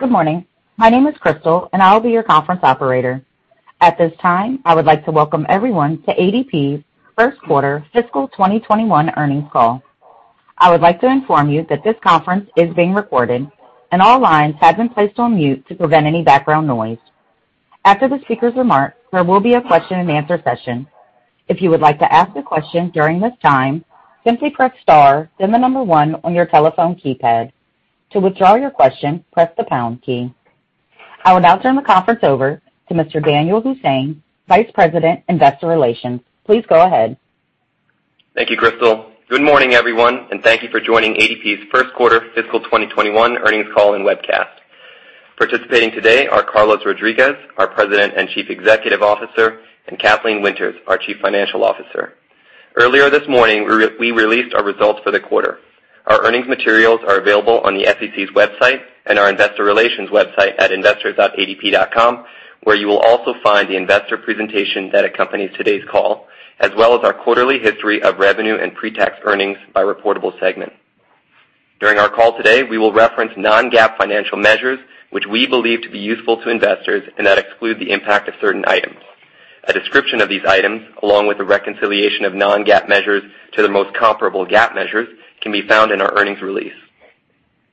Good morning. My name is Crystal, and I will be your conference operator. At this time, I would like to welcome everyone to ADP's Q1 fiscal 2021 earnings call. I would like to inform you that this conference is being recorded, and all lines have been placed on mute to prevent any background noise. After the speaker's remarks, there will be a question and answer session. If you would like to ask a question during this time, simply press star, then the number one on your telephone keypad. To withdraw your question, press the pound key. I will now turn the conference over to Mr. Danyal Hussain, Vice President, Investor Relations. Please go ahead. Thank you, Crystal. Good morning, everyone, and thank you for joining ADP's Q1 fiscal 2021 earnings call and webcast. Participating today are Carlos Rodriguez, our President and Chief Executive Officer, and Kathleen Winters, our Chief Financial Officer. Earlier this morning, we released our results for the quarter. Our earnings materials are available on the SEC's website and our investor relations website at investors.adp.com, where you will also find the investor presentation that accompanies today's call, as well as our quarterly history of revenue and pre-tax earnings by reportable segment. During our call today, we will reference non-GAAP financial measures which we believe to be useful to investors and that exclude the impact of certain items. A description of these items, along with a reconciliation of non-GAAP measures to the most comparable GAAP measures, can be found in our earnings release.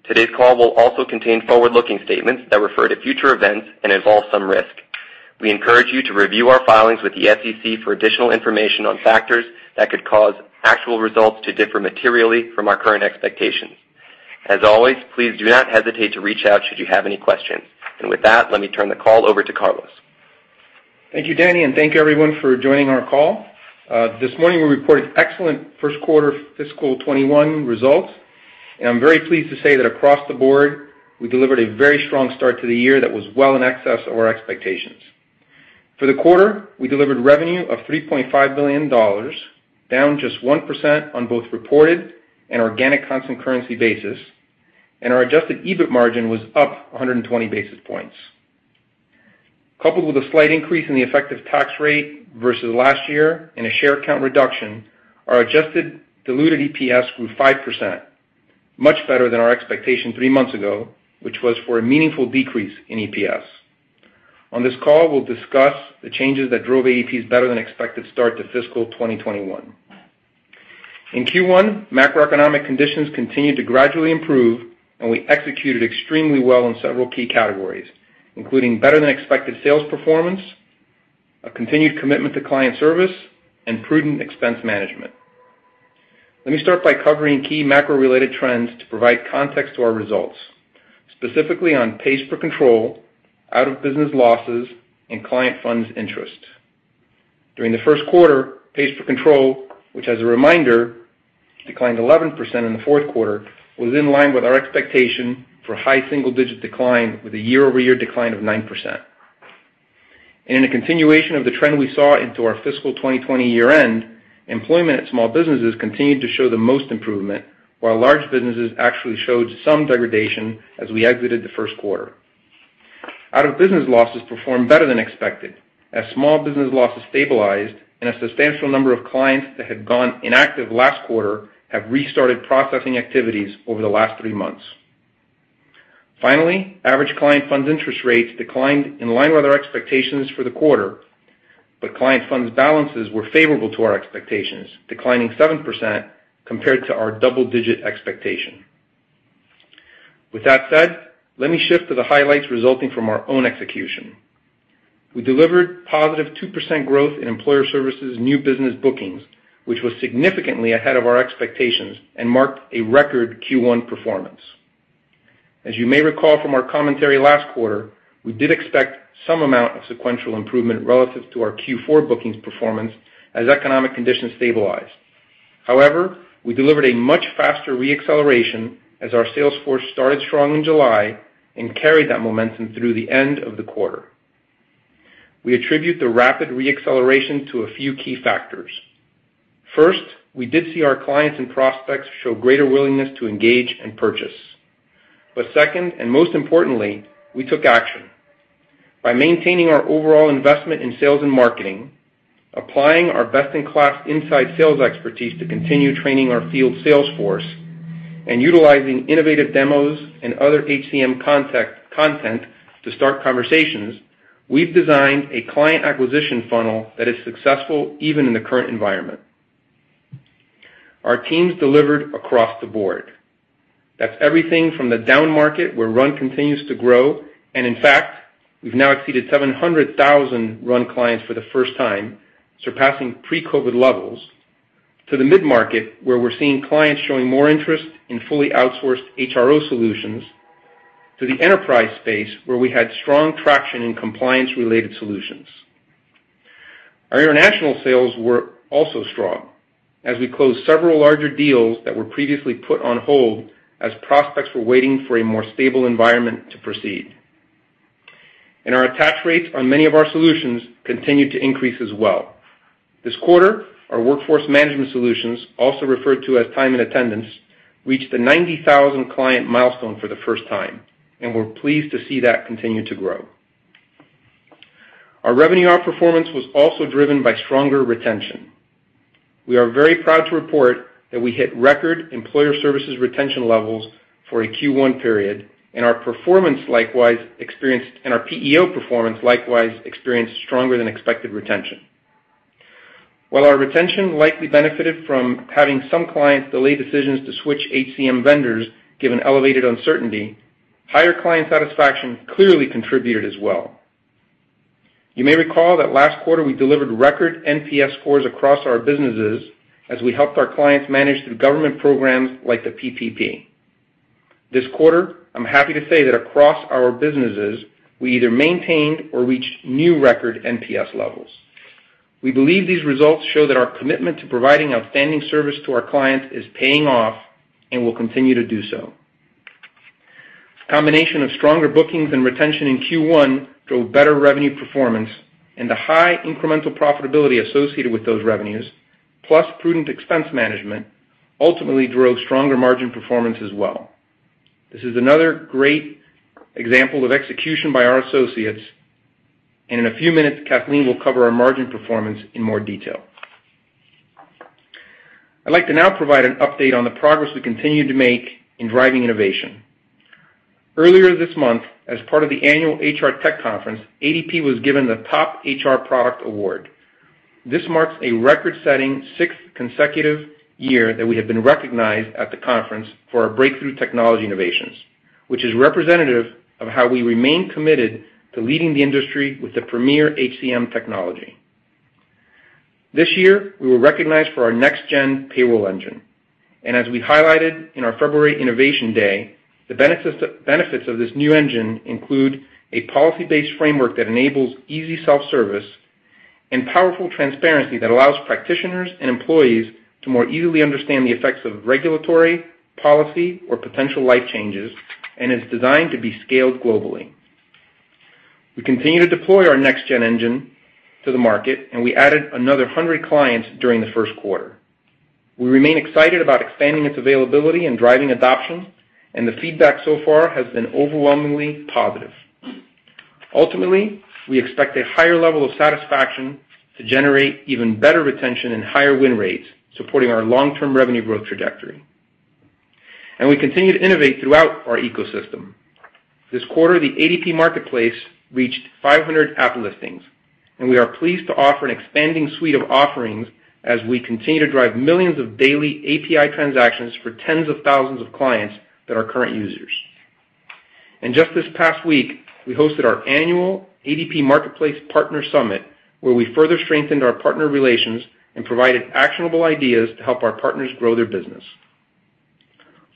Today's call will also contain forward-looking statements that refer to future events and involve some risk. We encourage you to review our filings with the SEC for additional information on factors that could cause actual results to differ materially from our current expectations. As always, please do not hesitate to reach out should you have any questions. With that, let me turn the call over to Carlos. Thank you, Danny. Thank you, everyone, for joining our call. This morning, we reported excellent Q1 fiscal 2021 results. I'm very pleased to say that across the board, we delivered a very strong start to the year that was well in excess of our expectations. For the quarter, we delivered revenue of $3.5 billion, down just 1% on both reported and organic constant currency basis, and our adjusted EBITDA margin was up 120 basis points. Coupled with a slight increase in the effective tax rate versus last year and a share count reduction, our adjusted diluted EPS grew 5%, much better than our expectation three months ago, which was for a meaningful decrease in EPS. On this call, we'll discuss the changes that drove ADP's better-than-expected start to fiscal 2021. In Q1, macroeconomic conditions continued to gradually improve, and we executed extremely well in several key categories, including better-than-expected sales performance, a continued commitment to client service, and prudent expense management. Let me start by covering key macro-related trends to provide context to our results, specifically on pays per control, out-of-business losses, and client funds interest. During the Q1, pays per control, which, as a reminder, declined 11% in the Q4, was in line with our expectation for a high single-digit decline with a year-over-year decline of 9%. In a continuation of the trend we saw into our fiscal 2020 year-end, employment at small businesses continued to show the most improvement, while large businesses actually showed some degradation as we exited the Q1. Out-of-business losses performed better than expected, as small business losses stabilized and a substantial number of clients that had gone inactive last quarter have restarted processing activities over the last three months. Finally average client funds interest rates declined in line with our expectations for the quarter, but client funds balances were favorable to our expectations, declining 7% compared to our double-digit expectation. With that said, let me shift to the highlights resulting from our own execution. We delivered +2% growth in Employer Services new business bookings, which was significantly ahead of our expectations and marked a record Q1 performance. As you may recall from our commentary last quarter, we did expect some amount of sequential improvement relative to our Q4 bookings performance as economic conditions stabilized. However, we delivered a much faster re-acceleration as our sales force started strong in July and carried that momentum through the end of the quarter. We attribute the rapid re-acceleration to a few key factors. First, we did see our clients and prospects show greater willingness to engage and purchase. Second, and most importantly, we took action. By maintaining our overall investment in sales and marketing, applying our best-in-class inside sales expertise to continue training our field sales force, and utilizing innovative demos and other HCM content to start conversations, we've designed a client acquisition funnel that is successful even in the current environment. Our teams delivered across the board. That's everything from the down market where RUN continues to grow, and in fact, we've now exceeded 700,000 RUN clients for the first time, surpassing pre-COVID levels, to the mid-market, where we're seeing clients showing more interest in fully outsourced HRO solutions, to the enterprise space, where we had strong traction in compliance-related solutions. Our international sales were also strong as we closed several larger deals that were previously put on hold as prospects were waiting for a more stable environment to proceed. Our attach rates on many of our solutions continued to increase as well. This quarter, our workforce management solutions, also referred to as time and attendance, reached the 90,000 client milestone for the first time, and we're pleased to see that continue to grow. Our revenue outperformance was also driven by stronger retention. We are very proud to report that we hit record Employer Services retention levels for a Q1 period, and our PEO performance likewise experienced stronger than expected retention. While our retention likely benefited from having some clients delay decisions to switch HCM vendors given elevated uncertainty, higher client satisfaction clearly contributed as well. You may recall that last quarter we delivered record NPS scores across our businesses as we helped our clients manage through government programs like the PPP. This quarter, I'm happy to say that across our businesses, we either maintained or reached new record NPS levels. We believe these results show that our commitment to providing outstanding service to our clients is paying off and will continue to do so. Combination of stronger bookings and retention in Q1 drove better revenue performance and the high incremental profitability associated with those revenues, plus prudent expense management, ultimately drove stronger margin performance as well. This is another great example of execution by our associates. In a few minutes, Kathleen will cover our margin performance in more detail. I'd like to now provide an update on the progress we continue to make in driving innovation. Earlier this month, as part of the annual HR Tech Conference, ADP was given the Top HR Product award. This marks a record-setting sixth consecutive year that we have been recognized at the conference for our breakthrough technology innovations, which is representative of how we remain committed to leading the industry with the premier HCM technology. This year, we were recognized for our Next Gen Payroll engine. As we highlighted in our February Innovation Day, the benefits of this new engine include a policy-based framework that enables easy self-service and powerful transparency that allows practitioners and employees to more easily understand the effects of regulatory, policy, or potential life changes, and is designed to be scaled globally. We continue to deploy our Next Gen engine to the market we added another 100 clients during the Q1. We remain excited about expanding its availability and driving adoption. The feedback so far has been overwhelmingly positive. Ultimately, we expect a higher level of satisfaction to generate even better retention and higher win rates, supporting our long-term revenue growth trajectory. We continue to innovate throughout our ecosystem. This quarter, the ADP Marketplace reached 500 app listings, and we are pleased to offer an expanding suite of offerings as we continue to drive millions of daily API transactions for tens of thousands of clients that are current users. Just this past week, we hosted our annual ADP Marketplace Partner Summit, where we further strengthened our partner relations and provided actionable ideas to help our partners grow their business.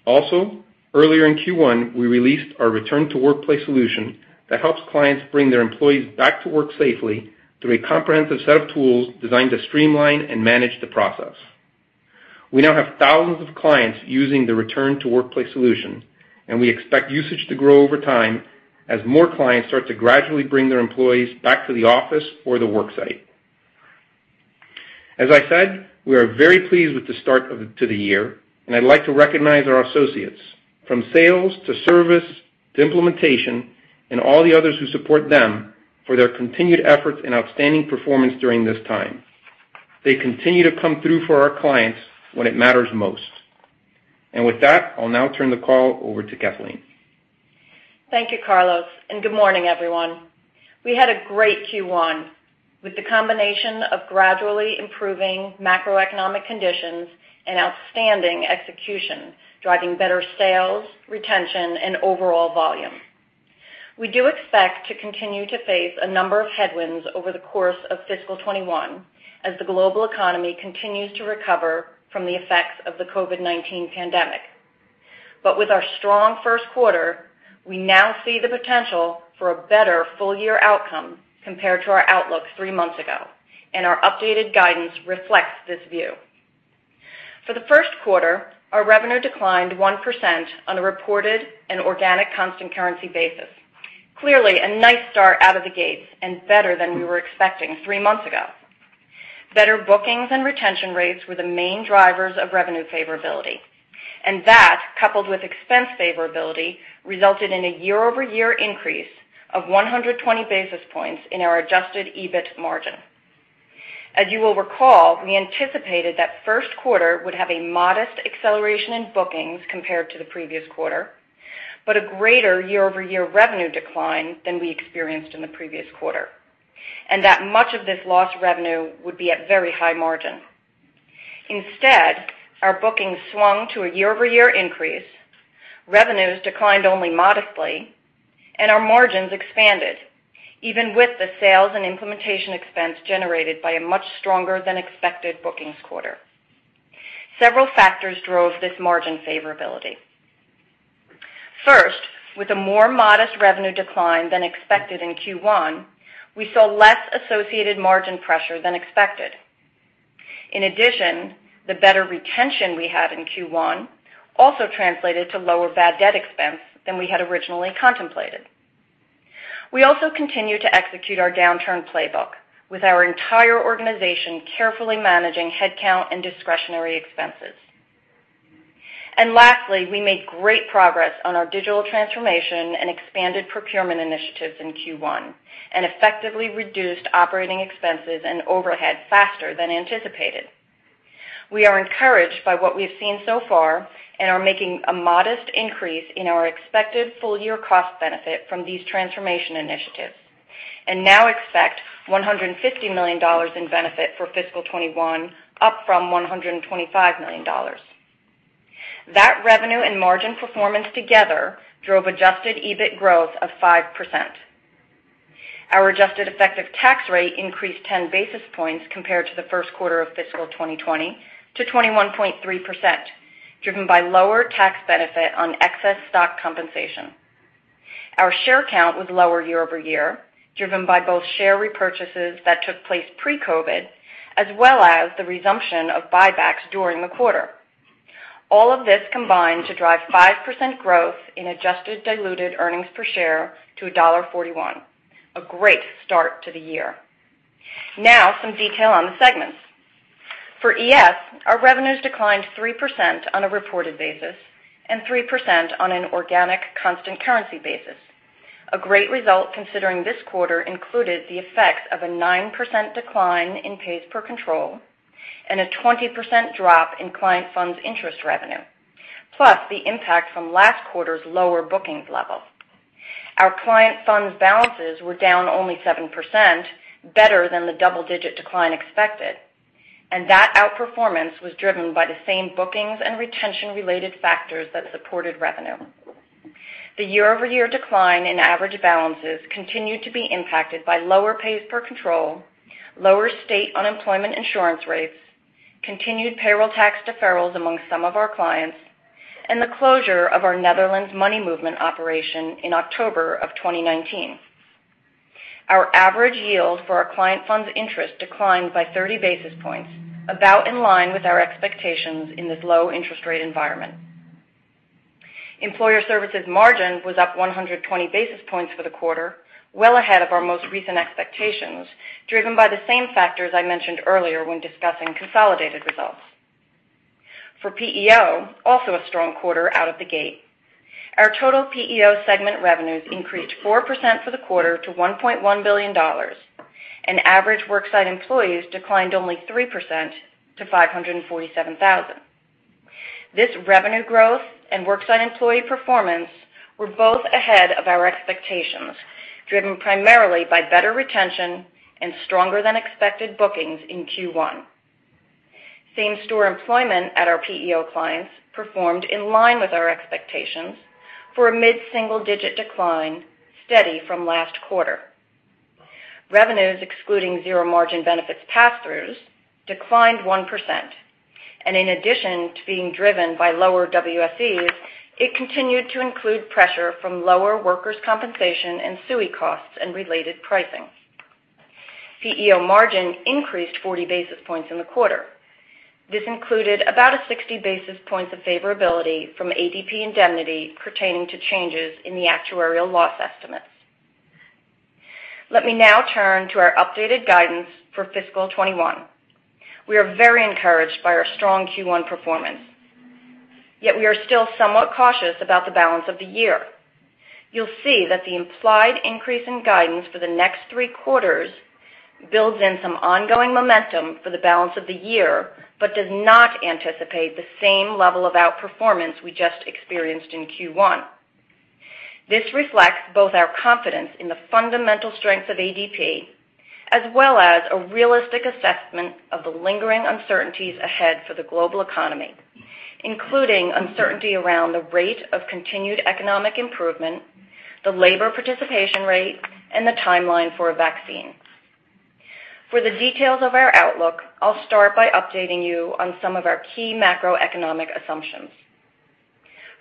Also, earlier in Q1, we released our Return to Workplace solution that helps clients bring their employees back to work safely through a comprehensive set of tools designed to streamline and manage the process. We now have thousands of clients using the Return to Workplace solution, and we expect usage to grow over time as more clients start to gradually bring their employees back to the office or the work site. As I said, we are very pleased with the start to the year, and I'd like to recognize our associates, from sales to service to implementation and all the others who support them, for their continued efforts and outstanding performance during this time. They continue to come through for our clients when it matters most. With that, I'll now turn the call over to Kathleen. Thank you, Carlos, and good morning, everyone. We had a great Q1 with the combination of gradually improving macroeconomic conditions and outstanding execution, driving better sales, retention, and overall volume. We do expect to continue to face a number of headwinds over the course of fiscal 2021 as the global economy continues to recover from the effects of the COVID-19 pandemic. With our strong Q1, we now see the potential for a better full-year outcome compared to our outlook three months ago, and our updated guidance reflects this view. For the Q1, our revenue declined 1% on a reported and organic constant currency basis. Clearly, a nice start out of the gates and better than we were expecting three months ago. Better bookings and retention rates were the main drivers of revenue favorability, and that, coupled with expense favorability, resulted in a year-over-year increase of 120 basis points in our adjusted EBITDA margin. As you will recall, we anticipated that Q1 would have a modest acceleration in bookings compared to the previous quarter, but a greater year-over-year revenue decline than we experienced in the previous quarter, and that much of this lost revenue would be at very high margin. Instead, our bookings swung to a year-over-year increase, revenues declined only modestly, and our margins expanded even with the sales and implementation expense generated by a much stronger than expected bookings quarter. Several factors drove this margin favorability. First, with a more modest revenue decline than expected in Q1, we saw less associated margin pressure than expected. In addition the better retention we had in Q1 also translated to lower bad debt expense than we had originally contemplated. We also continue to execute our downturn playbook with our entire organization carefully managing headcount and discretionary expenses. Lastly, we made great progress on our digital transformation and expanded procurement initiatives in Q1, and effectively reduced operating expenses and overhead faster than anticipated. We are encouraged by what we've seen so far and are making a modest increase in our expected full-year cost benefit from these transformation initiatives, and now expect $150 million in benefit for fiscal 2021, up from $125 million. That revenue and margin performance together drove adjusted EBITDA growth of 5%. Our adjusted effective tax rate increased 10 basis points compared to the Q1 of fiscal 2020 to 21.3%, driven by lower tax benefit on excess stock compensation. Our share count was lower year-over-year, driven by both share repurchases that took place pre-COVID, as well as the resumption of buybacks during the quarter. All of this combined to drive 5% growth in adjusted diluted earnings per share to $1.41, a great start to the year. Some detail on the segments. For ES, our revenues declined 3% on a reported basis and 3% on an organic constant currency basis. A great result considering this quarter included the effects of a 9% decline in pays per control and a 20% drop in client funds interest revenue, plus the impact from last quarter's lower bookings level. Our client funds balances were down only 7%, better than the double-digit decline expected, and that outperformance was driven by the same bookings and retention-related factors that supported revenue. The year-over-year decline in average balances continued to be impacted by lower pays per control, lower State Unemployment Insurance rates, continued payroll tax deferrals among some of our clients, and the closure of our Netherlands money movement operation in October 2019. Our average yield for our client funds interest declined by 30 basis points, about in line with our expectations in this low-interest-rate environment. Employer Services margin was up 120 basis points for the quarter, well ahead of our most recent expectations, driven by the same factors I mentioned earlier when discussing consolidated results. For PEO, also a strong quarter out of the gate. Our total PEO segment revenues increased 4% for the quarter to $1.1 billion, and average worksite employees declined only 3% to 547,000. This revenue growth and worksite employee performance were both ahead of our expectations, driven primarily by better retention and stronger than expected bookings in Q1. Same-store employment at our PEO clients performed in line with our expectations for a mid-single-digit decline, steady from last quarter. Revenues excluding zero margin benefits passthroughs declined 1%, and in addition to being driven by lower WSEs, it continued to include pressure from lower workers' compensation and SUI costs and related pricing. PEO margin increased 40 basis points in the quarter. This included about 60 basis points of favorability from ADP Indemnity pertaining to changes in the actuarial loss estimates. Let me now turn to our updated guidance for fiscal 2021. We are very encouraged by our strong Q1 performance, yet we are still somewhat cautious about the balance of the year. You'll see that the implied increase in guidance for the next three quarters builds in some ongoing momentum for the balance of the year but does not anticipate the same level of outperformance we just experienced in Q1. This reflects both our confidence in the fundamental strength of ADP, as well as a realistic assessment of the lingering uncertainties ahead for the global economy, including uncertainty around the rate of continued economic improvement, the labor participation rate, and the timeline for a vaccine. For the details of our outlook, I'll start by updating you on some of our key macroeconomic assumptions.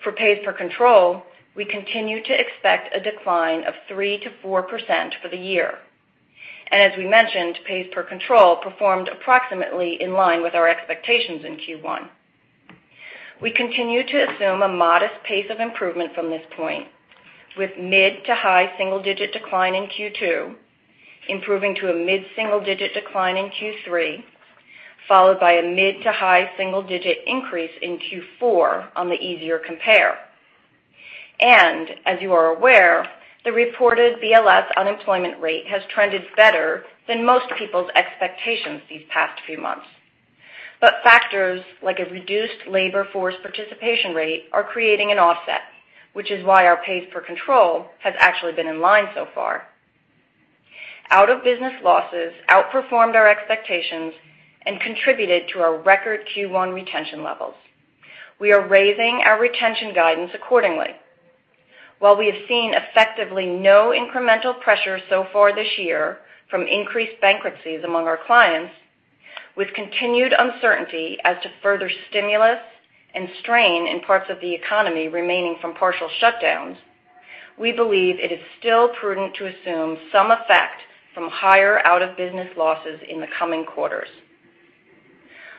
For pays per control, we continue to expect a decline of 3%-4% for the year. As we mentioned, pays per control performed approximately in line with our expectations in Q1. We continue to assume a modest pace of improvement from this point, with mid to high single-digit decline in Q2, improving to a mid-single-digit decline in Q3, followed by a mid to high single-digit increase in Q4 on the easier compare. As you are aware, the reported BLS unemployment rate has trended better than most people's expectations these past few months. Factors like a reduced labor force participation rate are creating an offset, which is why our pays per control has actually been in line so far. Out-of-business losses outperformed our expectations and contributed to our record Q1 retention levels. We are raising our retention guidance accordingly. While we have seen effectively no incremental pressure so far this year from increased bankruptcies among our clients, with continued uncertainty as to further stimulus and strain in parts of the economy remaining from partial shutdowns, we believe it is still prudent to assume some effect from higher out-of-business losses in the coming quarters.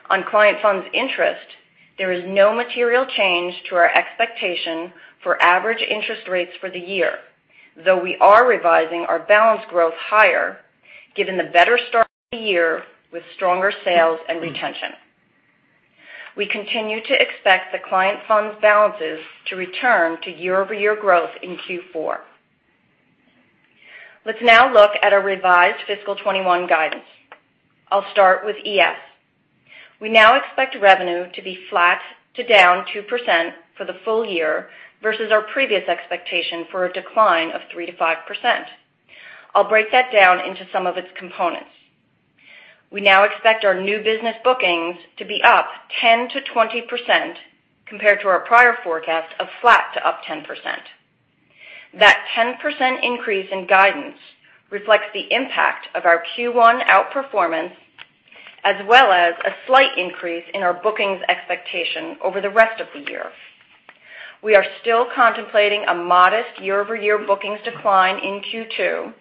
On client funds interest, there is no material change to our expectation for average interest rates for the year, though we are revising our balance growth higher given the better start to the year with stronger sales and retention. We continue to expect the client funds balances to return to year-over-year growth in Q4. Let's now look at our revised fiscal 2021 guidance. I'll start with ES. We now expect revenue to be flat to down 2% for the full year versus our previous expectation for a decline of 3%-5%. I'll break that down into some of its components. We now expect our new business bookings to be up 10%-20% compared to our prior forecast of flat to up 10%. That 10% increase in guidance reflects the impact of our Q1 outperformance, as well as a slight increase in our bookings expectation over the rest of the year. We are still contemplating a modest year-over-year bookings decline in Q2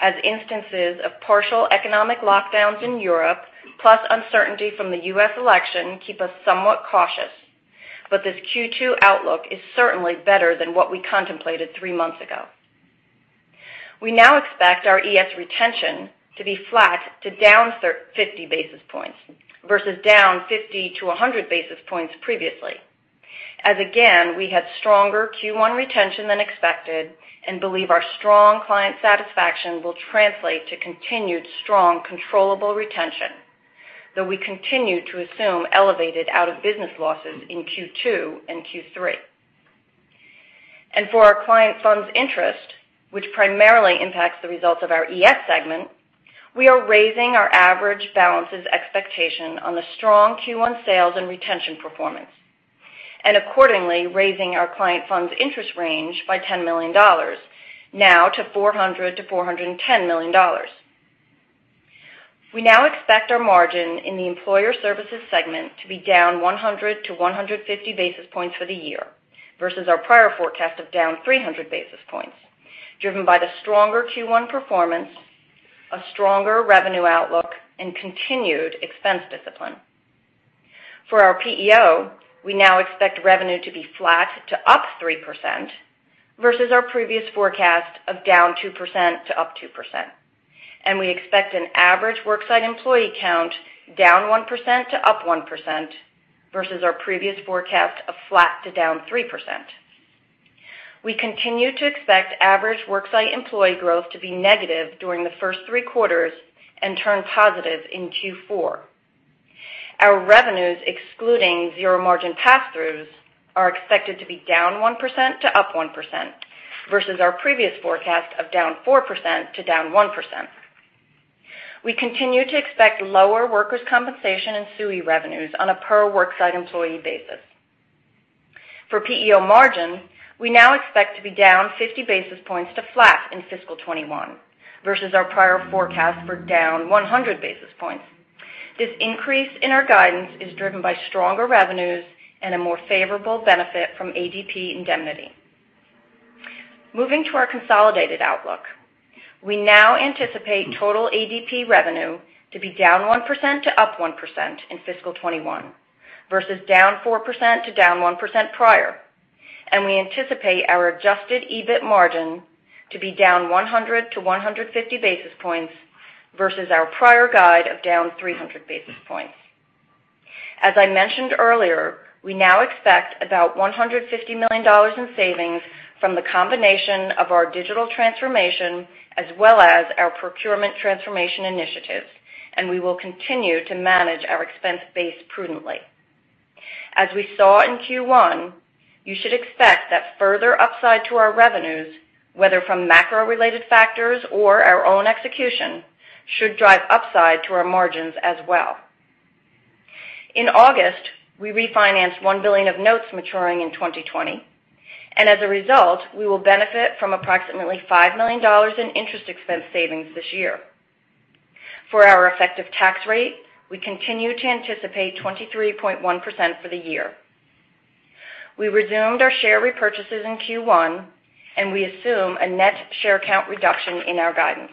as instances of partial economic lockdowns in Europe, plus uncertainty from the U.S. election, keep us somewhat cautious. This Q2 outlook is certainly better than what we contemplated three months ago. We now expect our ES retention to be flat to down 50 basis points versus down 50-100 basis points previously. Again, we had stronger Q1 retention than expected and believe our strong client satisfaction will translate to continued strong controllable retention, though we continue to assume elevated out-of-business losses in Q2 and Q3. For our client funds interest, which primarily impacts the results of our ES segment, we are raising our average balances expectation on the strong Q1 sales and retention performance, and accordingly raising our client funds interest range by $10 million, now to $400 million-$410 million. We now expect our margin in the Employer Services segment to be down 100 to 150 basis points for the year, versus our prior forecast of down 300 basis points, driven by the stronger Q1 performance, a stronger revenue outlook, and continued expense discipline. For our PEO, we now expect revenue to be flat to up 3% versus our previous forecast of down 2% to up 2%. We expect an average worksite employee count -1% to +1%, versus our previous forecast of flat to -3%. We continue to expect average worksite employee growth to be negative during the first three quarters and turn positive in Q4. Our revenues, excluding zero-margin passthroughs, are expected to be -1% to +1%, versus our previous forecast of -4% to -1%. We continue to expect lower workers' compensation and SUI revenues on a per worksite employee basis. For PEO margin, we now expect to be down 50 basis points to flat in fiscal 2021 versus our prior forecast for down 100 basis points. This increase in our guidance is driven by stronger revenues and a more favorable benefit from ADP Indemnity. Moving to our consolidated outlook. We now anticipate total ADP revenue to be down 1% to up 1% in fiscal 2021 versus down 4% to down 1% prior. We anticipate our adjusted EBITDA margin to be down 100 to 150 basis points versus our prior guide of down 300 basis points. As I mentioned earlier, we now expect about $150 million in savings from the combination of our digital transformation as well as our procurement transformation initiatives, and we will continue to manage our expense base prudently. As we saw in Q1, you should expect that further upside to our revenues, whether from macro-related factors or our own execution, should drive upside to our margins as well. In August, we refinanced $1 billion of notes maturing in 2020, and as a result, we will benefit from approximately $5 million in interest expense savings this year. For our effective tax rate, we continue to anticipate 23.1% for the year. We resumed our share repurchases in Q1, and we assume a net share count reduction in our guidance.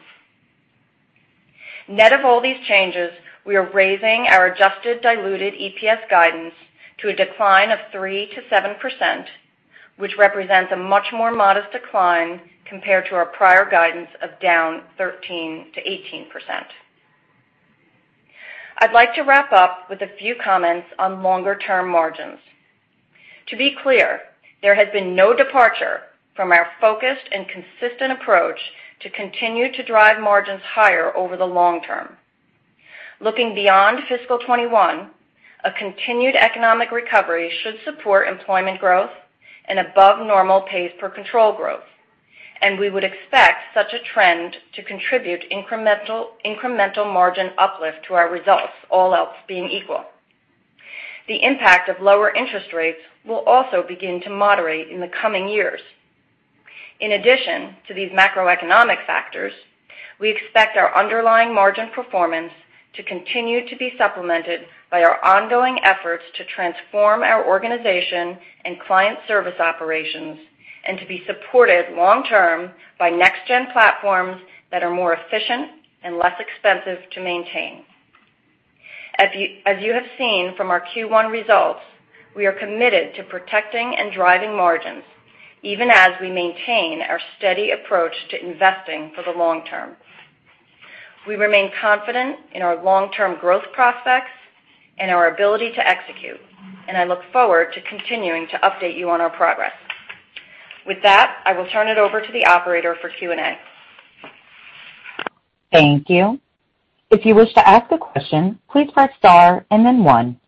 Net of all these changes, we are raising our adjusted diluted EPS guidance to a decline of 3%-7%, which represents a much more modest decline compared to our prior guidance of down 13%-18%. I'd like to wrap up with a few comments on longer-term margins. To be clear, there has been no departure from our focused and consistent approach to continue to drive margins higher over the long term. Looking beyond fiscal 2021, a continued economic recovery should support employment growth and above-normal pays per control growth, and we would expect such a trend to contribute incremental margin uplift to our results, all else being equal. The impact of lower interest rates will also begin to moderate in the coming years. In addition to these macroeconomic factors, we expect our underlying margin performance to continue to be supplemented by our ongoing efforts to transform our organization and client service operations and to be supported long term by Next Gen platforms that are more efficient and less expensive to maintain. As you have seen from our Q1 results, we are committed to protecting and driving margins, even as we maintain our steady approach to investing for the long term. We remain confident in our long-term growth prospects and our ability to execute, and I look forward to continuing to update you on our progress. With that, I will turn it over to the operator for Q&A. Thank you. If you wish to ask a question, please press star and then one.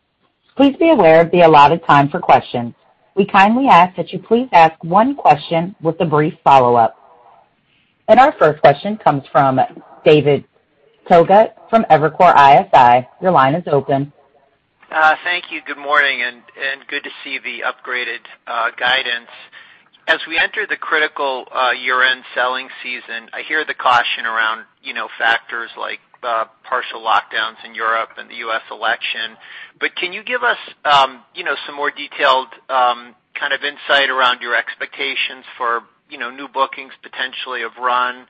Please be aware of the allotted time for questions. We kindly ask that you please ask one question with a brief follow-up. Our first question comes from David Togut from Evercore ISI. Your line is open. Thank you. Good morning, and good to see the upgraded guidance. As we enter the critical year-end selling season, I hear the caution around factors like partial lockdowns in Europe and the U.S. election. Can you give us some more detailed insight around your expectations for new bookings potentially of RUN,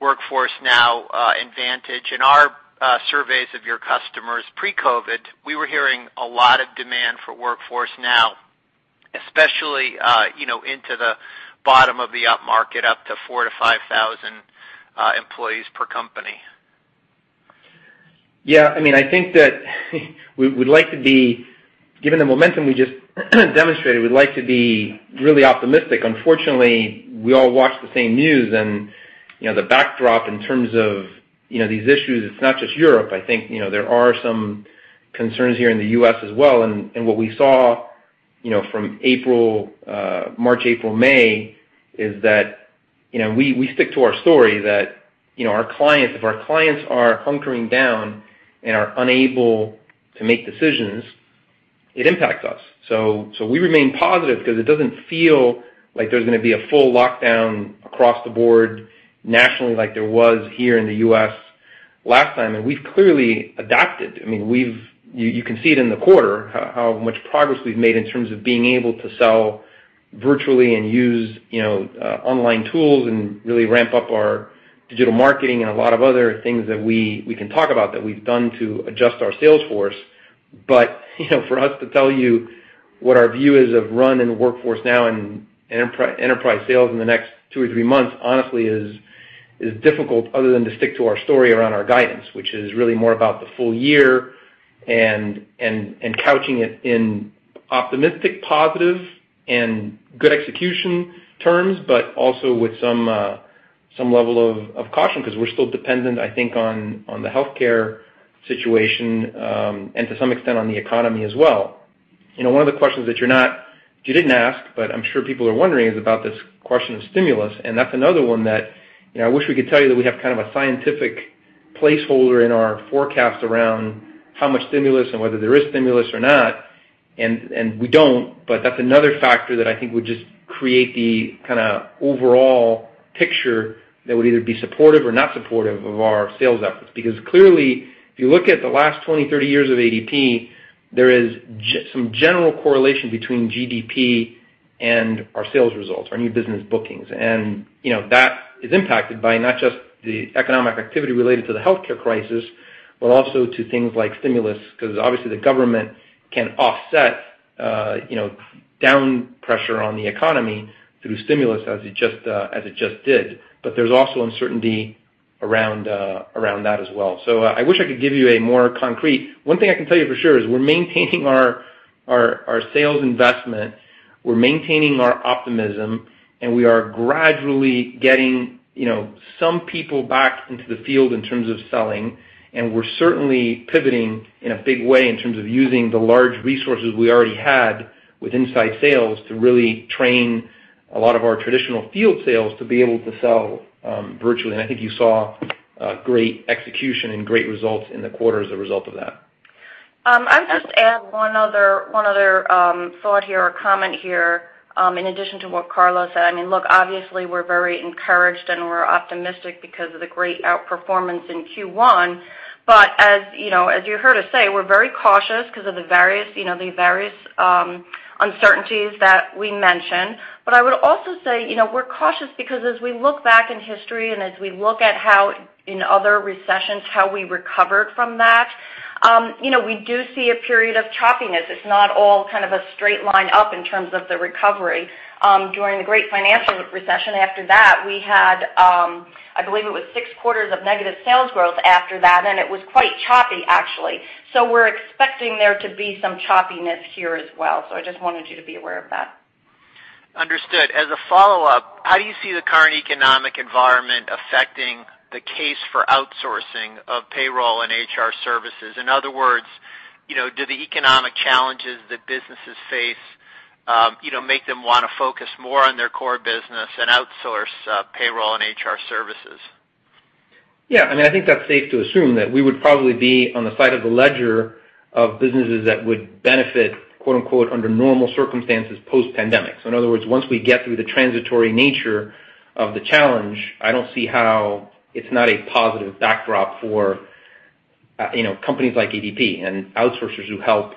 Workforce Now, and Vantage? In our surveys of your customers pre-COVID, we were hearing a lot of demand for Workforce Now, especially into the bottom of the upmarket, up to 4,000 to 5,000 employees per company. Yeah. I think that given the momentum we just demonstrated, we'd like to be really optimistic unfortunately, we all watch the same news, the backdrop in terms of these issues, it's not just Europe i think there are some concerns here in the U.S. as well and what we saw from March, April, May, is that we stick to our story that if our clients are hunkering down and are unable to make decisions, it impacts us. We remain positive because it doesn't feel like there's going to be a full lockdown across the board nationally like there was here in the U.S. last time we've clearly adapted. You can see it in the quarter how much progress we've made in terms of being able to sell virtually and use online tools and really ramp up our digital marketing and a lot of other things that we can talk about that we've done to adjust our sales force. For us to tell you what our view is of RUN and Workforce Now and enterprise sales in the next two or three months, honestly, is difficult other than to stick to our story around our guidance, which is really more about the full year and couching it in optimistic, positive, and good execution terms, but also with some level of caution, because we're still dependent, I think, on the healthcare situation, and to some extent, on the economy as well. One of the questions that you didn't ask, but I'm sure people are wondering, is about this question of stimulus, and that's another one that I wish we could tell you that we have a scientific placeholder in our forecast around how much stimulus and whether there is stimulus or not, and we don't, that's another factor that I think would just create the overall picture that would either be supportive or not supportive of our sales efforts it is clearly- -if you look at the last 20, 30 years of ADP, there is some general correlation between GDP and our sales results, our new business bookings. That is impacted by not just the economic activity related to the healthcare crisis, but also to things like stimulus, because obviously, the government can offset down pressure on the economy through stimulus as it just did. There's also uncertainty around that as well so i wish I could give you a more concrete, one thing I can tell you for sure is we're maintaining our sales investment, we're maintaining our optimism, and we are gradually getting some people back into the field in terms of selling, and we're certainly pivoting in a big way in terms of using the large resources we already had with inside sales to really train a lot of our traditional field sales to be able to sell virtually i think you saw great execution and great results in the quarter as a result of that. I'll just add one other thought here or comment here in addition to what Carlos said look, obviously, we're very encouraged, and we're optimistic because of the great outperformance in Q1. But as you heard us say, we're very cautious because of the various uncertainties that we mentioned. I would also say we're cautious because as we look back in history and as we look at how in other recessions, how we recovered from that, we do see a period of choppiness it's not all a straight line up in terms of the recovery. During the great financial recession, after that, we had, I believe it was six quarters of negative sales growth after that, and it was quite choppy, actually. We're expecting there to be some choppiness here as well. I just wanted you to be aware of that. Understood. As a follow-up, how do you see the current economic environment affecting the case for outsourcing of payroll and HR services? in other words, do the economic challenges that businesses face make them want to focus more on their core business and outsource payroll and HR services? I think that's safe to assume that we would probably be on the side of the ledger of businesses that would benefit, quote unquote, under normal circumstances post-pandemic. In other words, once we get through the transitory nature of the challenge, I don't see how it's not a positive backdrop for companies like ADP and outsourcers who help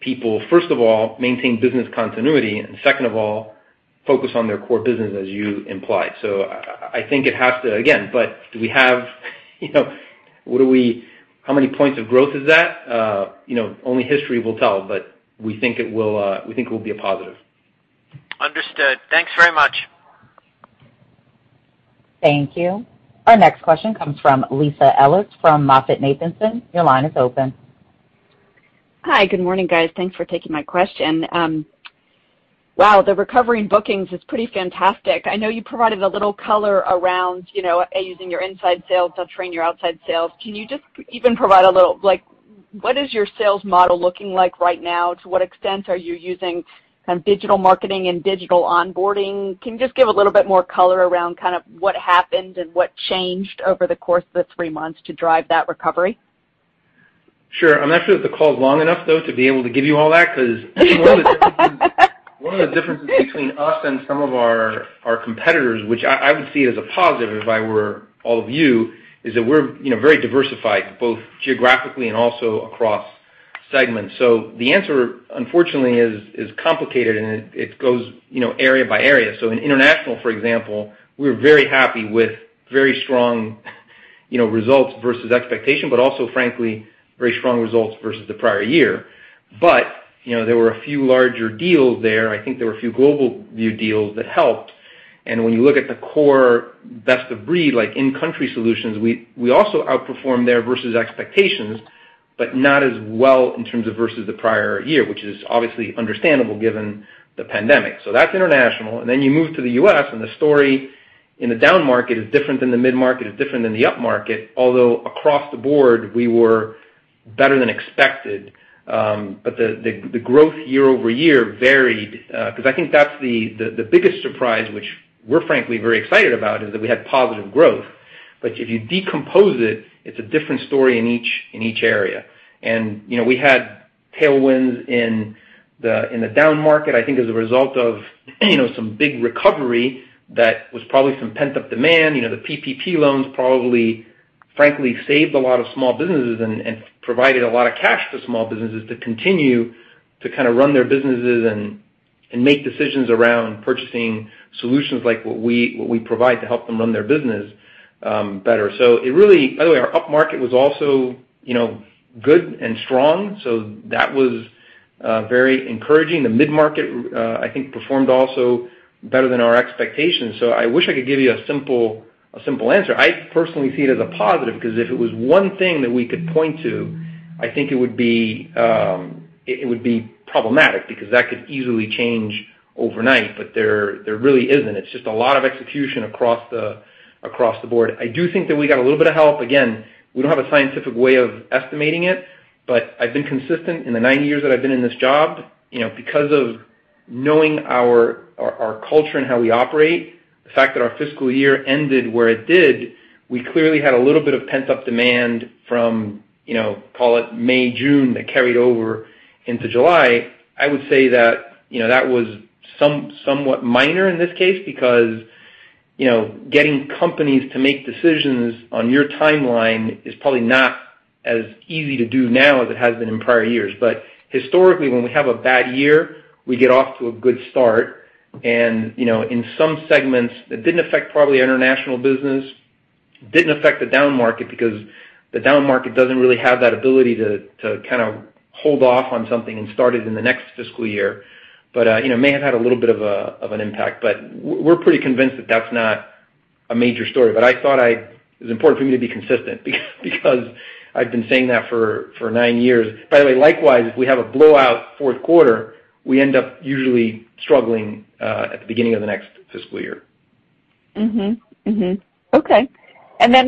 people, first of all, maintain business continuity, and second of all, focus on their core business, as you implied. I think it has to, again, but do we have, how many points of growth is that? Only history will tell, but we think it will be a positive. Understood. Thanks very much. Thank you. Our next question comes from Lisa Ellis from MoffettNathanson. Your line is open. Hi. Good morning, guys. Thanks for taking my question. Wow, the recovery in bookings is pretty fantastic. I know you provided a little color around, using your inside sales to train your outside sales can you just even provide a little, what is your sales model looking like right now? to what extent are you using digital marketing and digital onboarding? Can you just give a little bit more color around what happened and what changed over the course of the three months to drive that recovery? Sure. I'm not sure that the call's long enough, though, to be able to give you all that, because one of the differences between us and some of our competitors, which I would see as a positive if I were all of you, is that we're very diversified, both geographically and also across segments. The answer, unfortunately, is complicated, and it goes area by area in international, for example, we're very happy with very strong results versus expectation, but also frankly, very strong results versus the prior year. But there were a few larger deals there. I think there were a few GlobalView deals that helped, and when you look at the core best-of-breed, like in-country solutions, we also outperformed there versus expectations, but not as well in terms of versus the prior year, which is obviously understandable given the pandemic. That's international then you move to the U.S., and the story in the down market is different than the mid-market is different than the up market, although across the board, we were better than expected. The growth year-over-year varied, because I think that's the biggest surprise, which we're frankly very excited about, is that we had positive growth. If you decompose it's a different story in each area. We had tailwinds in the down market, I think as a result of some big recovery that was probably some pent-up demand the PPP loans probably, frankly, saved a lot of small businesses and provided a lot of cash to small businesses to continue to run their businesses and make decisions around purchasing solutions like what we provide to help them run their business better. By the way, our up market was also good and strong, so that was very encouraging the mid-market, I think performed also better than our expectations so i wish I could give you a simple answer i personally see it as a positive, because if it was one thing that we could point to, I think it would be problematic because that could easily change overnight but there really isn't. It's just a lot of execution across the board. I do think that we got a little bit of help again- -We don't have a scientific way of estimating it, but I've been consistent in the nine years that I've been in this job, because of knowing our culture and how we operate, the fact that our fiscal year ended where it did, we clearly had a little bit of pent-up demand from call it May, June, that carried over into July. I would say that was somewhat minor in this case because, getting companies to make decisions on your timeline is probably not as easy to do now as it has been in prior years but, historically, when we have a bad year, we get off to a good start, and in some segments, it didn't affect probably international business, didn't affect the down market because the down market doesn't really have that ability to hold off on something and start it in the next fiscal year. It may have had a little bit of an impact, but we're pretty convinced that that's not a major story i thought it was important for me to be consistent because I've been saying that for nine years, by the way, likewise, if we have a blowout Q4, we end up usually struggling at the beginning of the next fiscal year. Okay.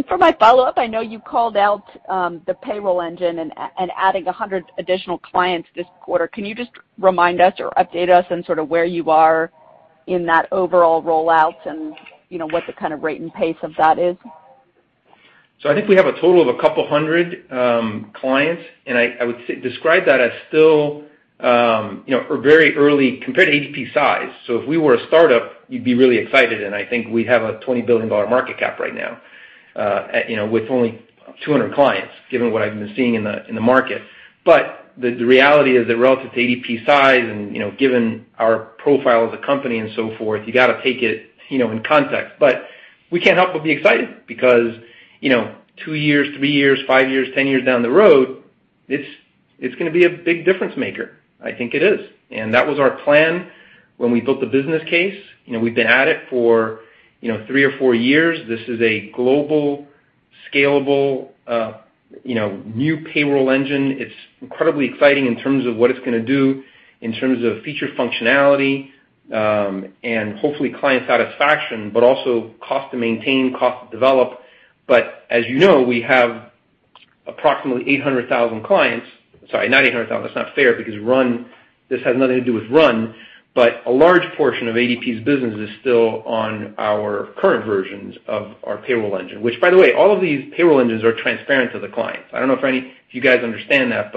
For my follow-up, I know you called out the payroll engine and adding 100 additional clients this quarter can you just remind us or update us on where you are in that overall rollout and what the rate and pace of that is? I think we have a total of a couple 100 clients, and I would describe that as still very early compared to ADP size. If we were a startup, you'd be really excited, and I think we'd have a $20 billion market cap right now, with only 200 clients, given what I've been seeing in the market but- The reality is that relative to ADP size and given our profile as a company and so forth, you got to take it in context but, we can't help but be excited because two years, three years, five years, 10 years down the road, it's going to be a big difference maker. I think it is. That was our plan when we built the business case. We've been at it for three or four years this is a global, scalable, new payroll engine it's incredibly exciting in terms of what it's going to do, in terms of feature functionality, and hopefully client satisfaction, but also cost to maintain, cost to develop but- As you know, we have approximately 800,000 clients. Sorry, not 800,000 that's not fair because this has nothing to do with RUN. But a large portion of ADP's business is still on our current versions of our payroll engine which, by the way, all of these payroll engines are transparent to the clients. I don't know if any of you guys understand that,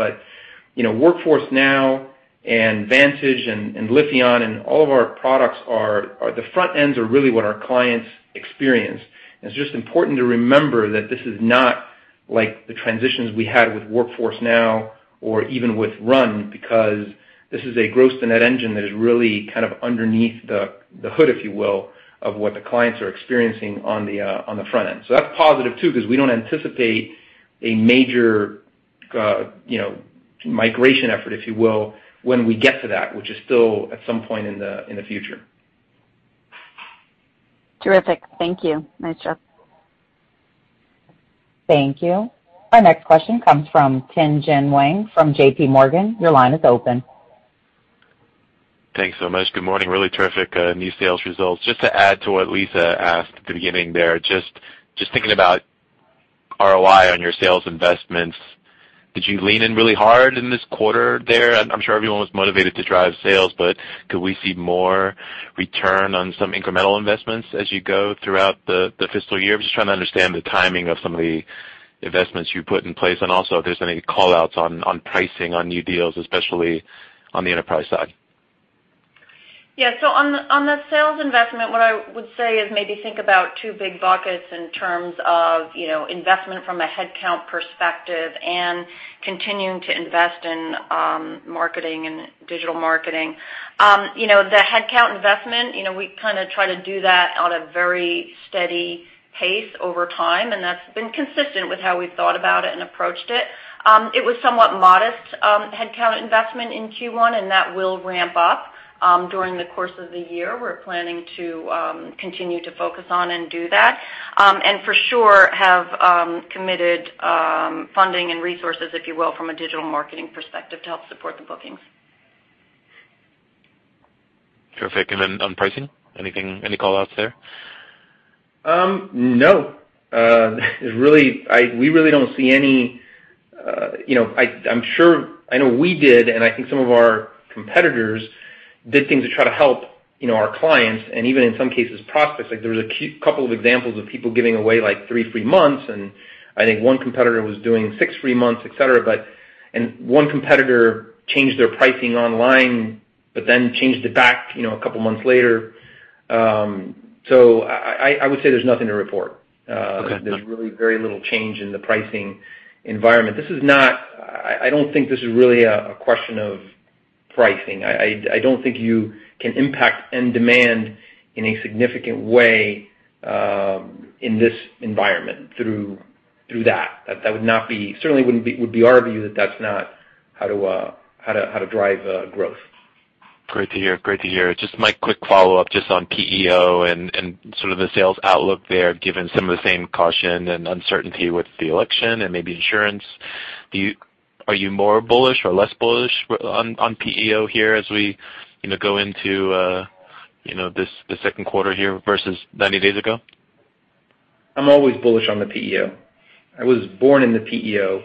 Workforce Now and Vantage and Lifion and all of our products the front ends are really what our clients experience. It's just important to remember that this is not like the transitions we had with Workforce Now or even with RUN, because this is a gross to net engine that is really underneath the hood, if you will, of what the clients are experiencing on the front end that's positive too, because we don't anticipate a major migration effort, if you will, when we get to that, which is still at some point in the future. Terrific. Thank you. Nice job. Thank you. Our next question comes from Tien-Tsin Huang from J.P. Morgan. Your line is open. Thanks so much good morning really terrific new sales results just to add to what Lisa asked at the beginning there, just thinking about ROI on your sales investments, did you lean in really hard in this quarter there? I'm sure everyone was motivated to drive sales, but could we see more return on some incremental investments as you go throughout the fiscal year? I'm just trying to understand the timing of some of the investments you put in place, and also if there's any call-outs on pricing on new deals, especially on the enterprise side. On the sales investment, what I would say is maybe think about two big buckets in terms of investment from a headcount perspective and continuing to invest in marketing and digital marketing. The headcount investment, we try to do that at a very steady pace over time, and that's been consistent with how we've thought about it and approached it. It was somewhat modest headcount investment in Q1, and that will ramp up during the course of the year we're planning to continue to focus on and do that. For sure, have committed funding and resources, if you will, from a digital marketing perspective to help support the bookings. Terrific. On pricing, any call outs there? No. I know we did, and I think some of our competitors did things to try to help our clients and even in some cases, prospects there was a couple of examples of people giving away like three free months, and I think one competitor was doing six free months, et cetera but, one competitor changed their pricing online, but then changed it back a couple months later. I would say there's nothing to report. Okay. There's really very little change in the pricing environment. I don't think this is really a question of pricing. I don't think you can impact end demand in a significant way in this environment through that it would be our view that that's not how to drive growth. Great to hear. Just my quick follow-up, just on PEO and sort of the sales outlook there, given some of the same caution and uncertainty with the election and maybe insurance. Are you more bullish? or less bullish on PEO here as we go into the Q2 here versus 90 days ago? I'm always bullish on the PEO. I was born in the PEO.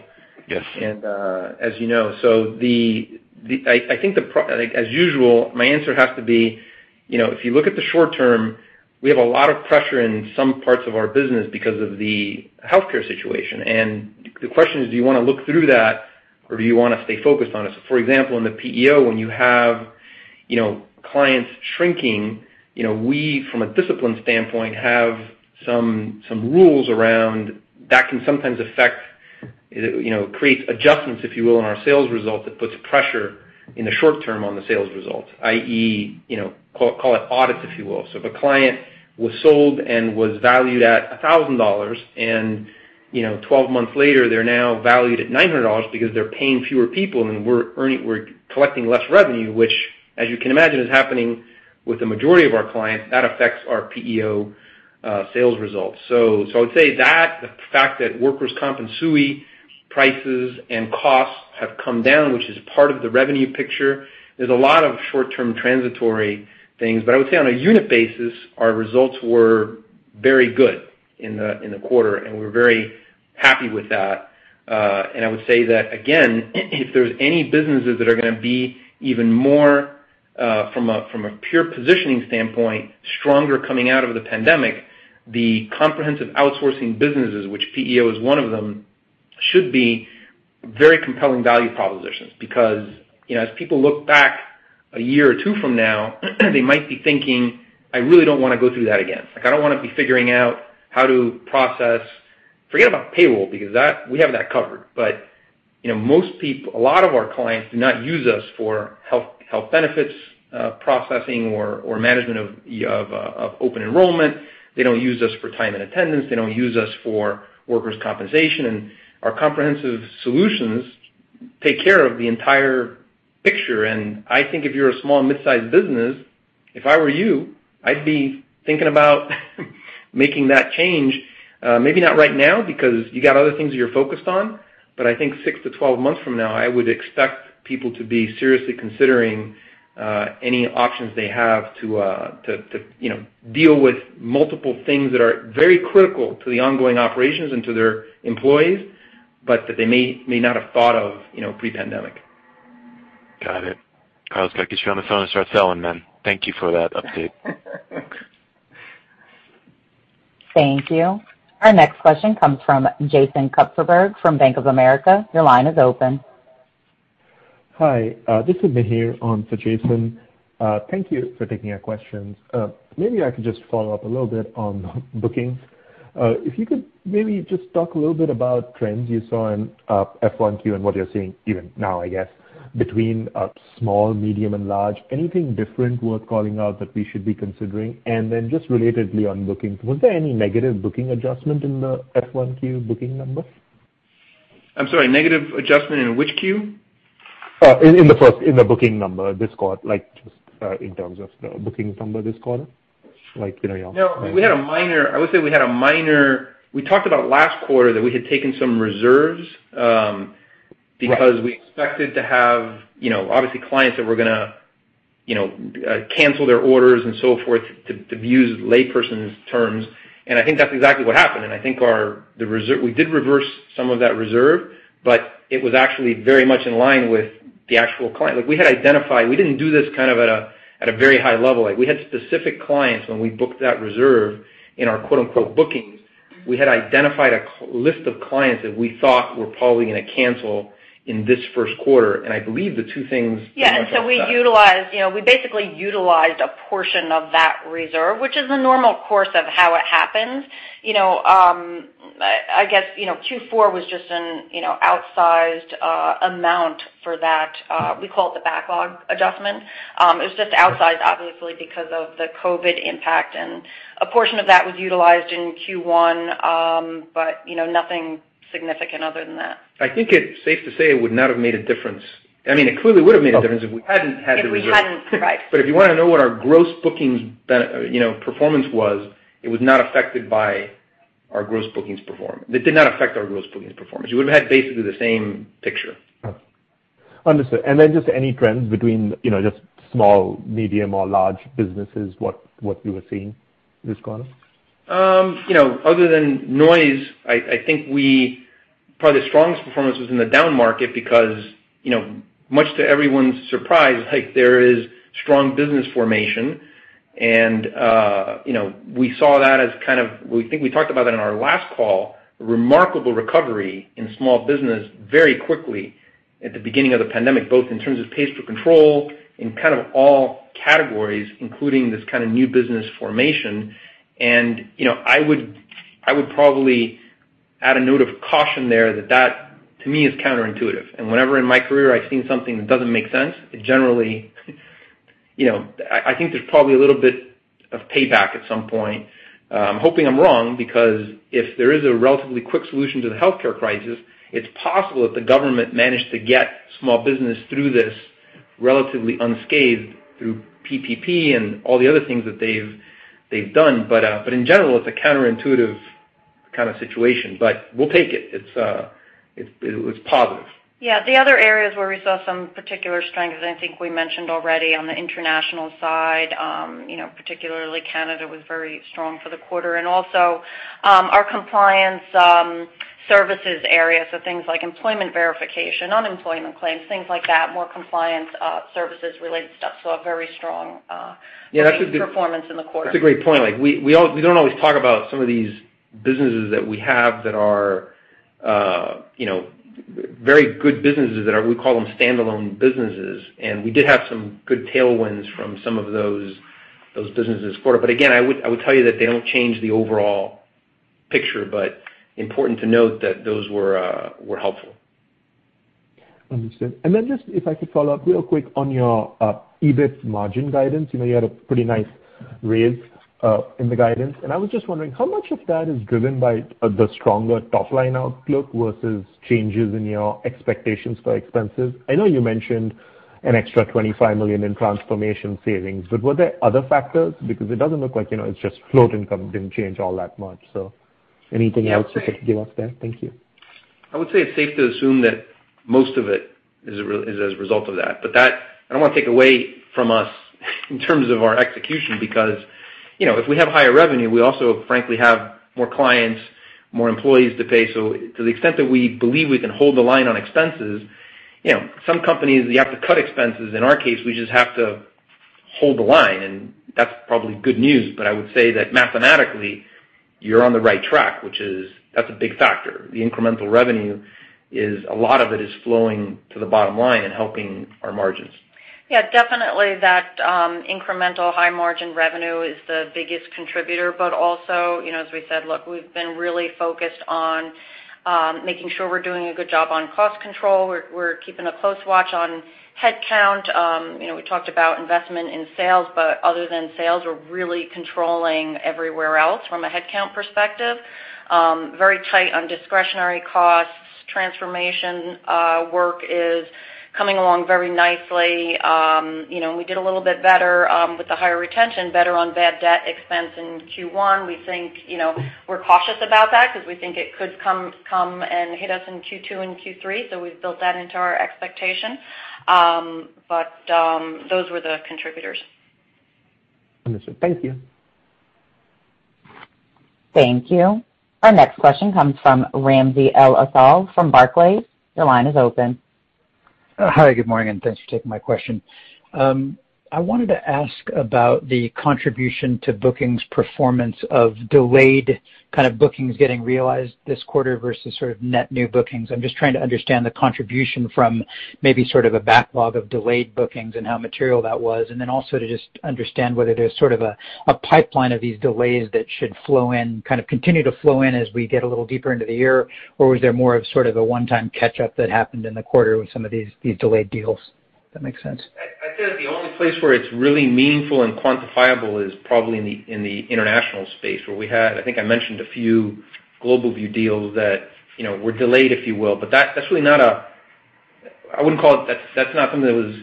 Yes. As you know. I think, as usual, my answer has to be, if you look at the short term, we have a lot of pressure in some parts of our business because of the healthcare situation and the question is, do you want to look through that or do you want to stay focused on it? for example, in the PEO, when you have clients shrinking, we, from a discipline standpoint, have some rules around that can sometimes affect, it creates adjustments, if you will, in our sales results it puts pressure. In the short term on the sales results, i.e., call it audits, if you will if a client, was sold and was valued at $1,000 and 12 months later, they're now valued at $900 because they're paying fewer people and we're collecting less revenue, which, as you can imagine, is happening with the majority of our clients, that affects our PEO sales results. I would say that, the fact that workers' comp and SUI prices and costs have come down, which is part of the revenue picture. There's a lot of short-term transitory things i would say on a unit basis, our results were very good in the quarter, and we're very happy with that. I would say that, again, if there's any businesses that are going to be even more, from a pure positioning standpoint, stronger coming out of the pandemic, the comprehensive outsourcing businesses, which PEO is one of them, should be very compelling value propositions because- As people look back one or two years from now, they might be thinking, I really don't want to go through that again i don't want to be figuring out how to process. Forget about payroll, because we have that covered but, a lot of our clients do not use us for health benefits, processing or management of open enrollment. They don't use us for time and attendance they don't use us for workers' compensation. Our comprehensive solutions take care of the entire picture and, i think if you're a small and mid-sized business, if I were you, I'd be thinking about making that change. Maybe not right now, because you got other things you're focused on. I think 6-12 months from now, I would expect people to be seriously considering any options they have to deal with multiple things that are very critical to the ongoing operations and to their employees, but that they may not have thought of pre-pandemic. Got it. Carlos, got to get you on the phone and start selling, man. Thank you for that update. Thank you. Our next question comes from Jason Kupferberg from Bank of America. Your line is open. Hi, this is Mihir on for Jason. Thank you for taking our questions. Maybe I could just follow up a little bit on bookings. If you could maybe just talk a little bit about trends you saw in fiscal Q1 and what you're seeing even now, I guess, between small, medium, and large. Anything different worth calling out that we should be considering? Then just relatedly on bookings, was there any negative booking adjustment in the fiscal Q1 booking number? I'm sorry, negative adjustment in which Q? In the booking number this quarter. Just in terms of the booking number this quarter. No, I would say We talked about last quarter that we had taken some reserves. Right. We expected to have obviously clients that were going to cancel their orders and so forth, to use layperson's terms. I think that's exactly what happened i think we did reverse some of that reserve. It was actually very much in line with the actual client we didn't do this at a very high level we had specific clients when we booked that reserve in our quote, unquote, "bookings." We had identified a list of clients that we thought were probably going to cancel in this Q1. I believe the two things pretty much offset. Yeah, we basically utilized a portion of that reserve, which is the normal course of how it happens. I guess Q4 was just an outsized amount for that. We call it the backlog adjustment. It was just outsized, obviously, because of the COVID-19 impact, and a portion of that was utilized in Q1 but nothing significant other than that. I think it's safe to say it would not have made a difference. It clearly would've made a difference if we hadn't had the reserve. If we hadn't, right. If you want to know what our gross bookings performance was, it was not affected by our gross bookings performance it did not affect our gross bookings performance, you would've had basically the same picture. Understood. Then just any trends between just small, medium, or large businesses, what you were seeing this quarter? Other than noise, I think probably the strongest performance was in the down market because much to everyone's surprise, there is strong business formation. We saw that as, we think we talked about that in our last call, remarkable recovery in small business very quickly at the beginning of the pandemic, both in terms of pays per control in kind of all categories, including this kind of new business formation. I would probably add a note of caution there that that, to me, is counterintuitive. Whenever in my career I've seen something that doesn't make sense, it generally I think there's probably a little bit of payback at some point. I'm hoping I'm wrong, because if there is a relatively quick solution to the healthcare crisis, it's possible that the government managed to get small business through this relatively unscathed through PPP and all the other things that they've done but in general, it's a counterintuitive kind of situation, but we'll take it. It's positive. Yeah. The other areas where we saw some particular strengths, I think we mentioned already on the international side, particularly Canada was very strong for the quarte and also, our compliance services area, so things like employment verification, unemployment claims, things like that, more compliance services related stuff, a very strong- Yeah, that's a- -performance in the quarter. That's a great point we don't always talk about some of these businesses that we have that are very good businesses that are, we call them standalone businesses. We did have some good tailwinds from some of those businesses this quarter again, I would tell you that they don't change the overall picture, important to note that those were helpful. Understood and just, if I could follow up real quick on your EBITDA margin guidance you had a pretty nice raise in the guidance, I was just wondering how much of that is driven by the stronger top-line outlook versus changes in your expectations for expenses? I know you mentioned an extra $25 million in transformation savings, were there other factors? It doesn't look like, it's just float income didn't change all that much so, anything else you could give us there? Thank you. I would say it's safe to assume that most of it is as a result of that. I don't want to take away from us in terms of our execution, because if we have higher revenue, we also frankly have more clients, more employees to pay so to the extent that we believe we can hold the line on expenses, some companies, you have to cut expenses in our case, we just have to hold the line, and that's probably good news i would say that mathematically, you're on the right track, which is, that's a big factor the incremental revenue is a lot of it is flowing to the bottom line and helping our margins. Yeah, definitely that incremental high-margin revenue is the biggest contributor but also, as we said, look, we've been really focused on making sure we're doing a good job on cost control, we're keeping a close watch on head count. We talked about investment in sales, but other than sales, we're really controlling everywhere else from a head count perspective. Very tight on discretionary costs. Transformation work is coming along very nicely. We did a little bit better, with the higher retention, better on bad debt expense in Q1, we're cautious about that because we think it could come and hit us in Q2 and Q3, so we've built that into our expectation. Those were the contributors. Understood. Thank you. Thank you. Our next question comes from Ramsey El-Assal from Barclays. Your line is open. Hi, good morning. Thanks for taking my question. I wanted to ask about the contribution to bookings performance of delayed bookings getting realized this quarter versus net new bookings i'm just trying to understand the contribution from maybe sort of a backlog of delayed bookings and how material that was, and then also to just understand whether there's sort of a pipeline of these delays that should flow in, kind of continue to flow in as we get a little deeper into the year. Was there more of sort of a one-time catch-up that happened in the quarter with some of these delayed deals, if that makes sense? I'd say that the only place where it's really meaningful and quantifiable is probably in the international space, where we had, I think I mentioned a few GlobalView deals that were delayed, if you will that's not something that was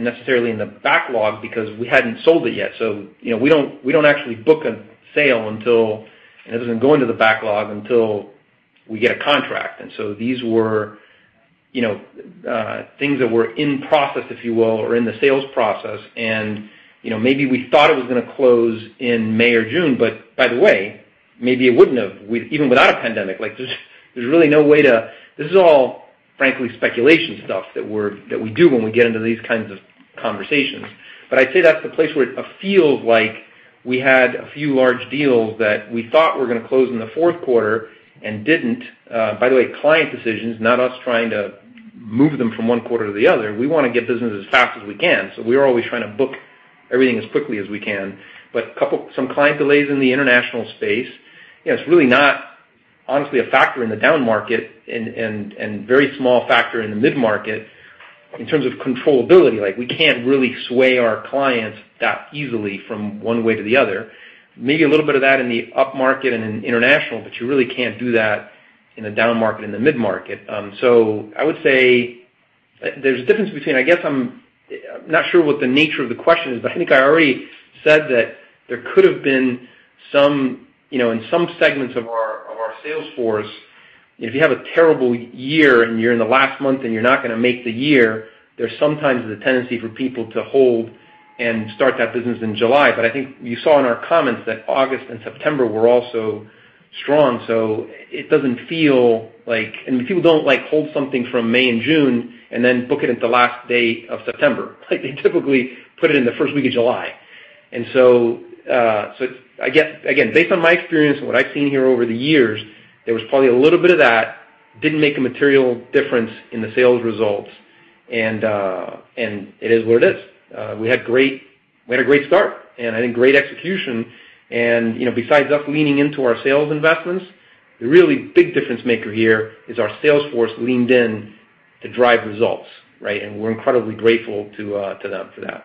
necessarily in the backlog because we hadn't sold it yet. We don't actually book a sale, and it doesn't go into the backlog, until we get a contract and so these were things that were in process, if you will, or in the sales process, and maybe we thought it was going to close in May or June, but by the way, maybe it wouldn't have, even without a pandemic this is all, frankly, speculation stuff that we do when we get into these kinds of conversations. I'd say that's the place where it feels like we had a few large deals that we thought were going to close in the Q4 and didn't. By the way, client decisions, not us trying to move them from one quarter to the other we want to get business as fast as we can, so we are always trying to book everything as quickly as we can. Some client delays in the international space, it's really not, honestly, a factor in the down market and very small factor in the mid-market in terms of controllability we can't really sway our clients that easily from one way to the other. Maybe a little bit of that in the upmarket and in international, but you really can't do that in a down market and the mid-market. I would say there's a difference between, I guess I'm not sure what the nature of the question is, but I think I already said that there could have been, in some segments of our sales force, if you have a terrible year and you're in the last month and you're not going to make the year, there's sometimes the tendency for people to hold and start that business in July but i think you saw in our comments that August and September were also strong. People don't hold something from May and June and then book it at the last day of September. They typically put it in the first week of July. Again, based on my experience and what I've seen here over the years, there was probably a little bit of that. Didn't make a material difference in the sales results, and it is what it is, we had a great start, and I think great execution, and besides us leaning into our sales investments, the really big difference maker here is our sales force leaned in to drive results, right? we're incredibly grateful to them for that.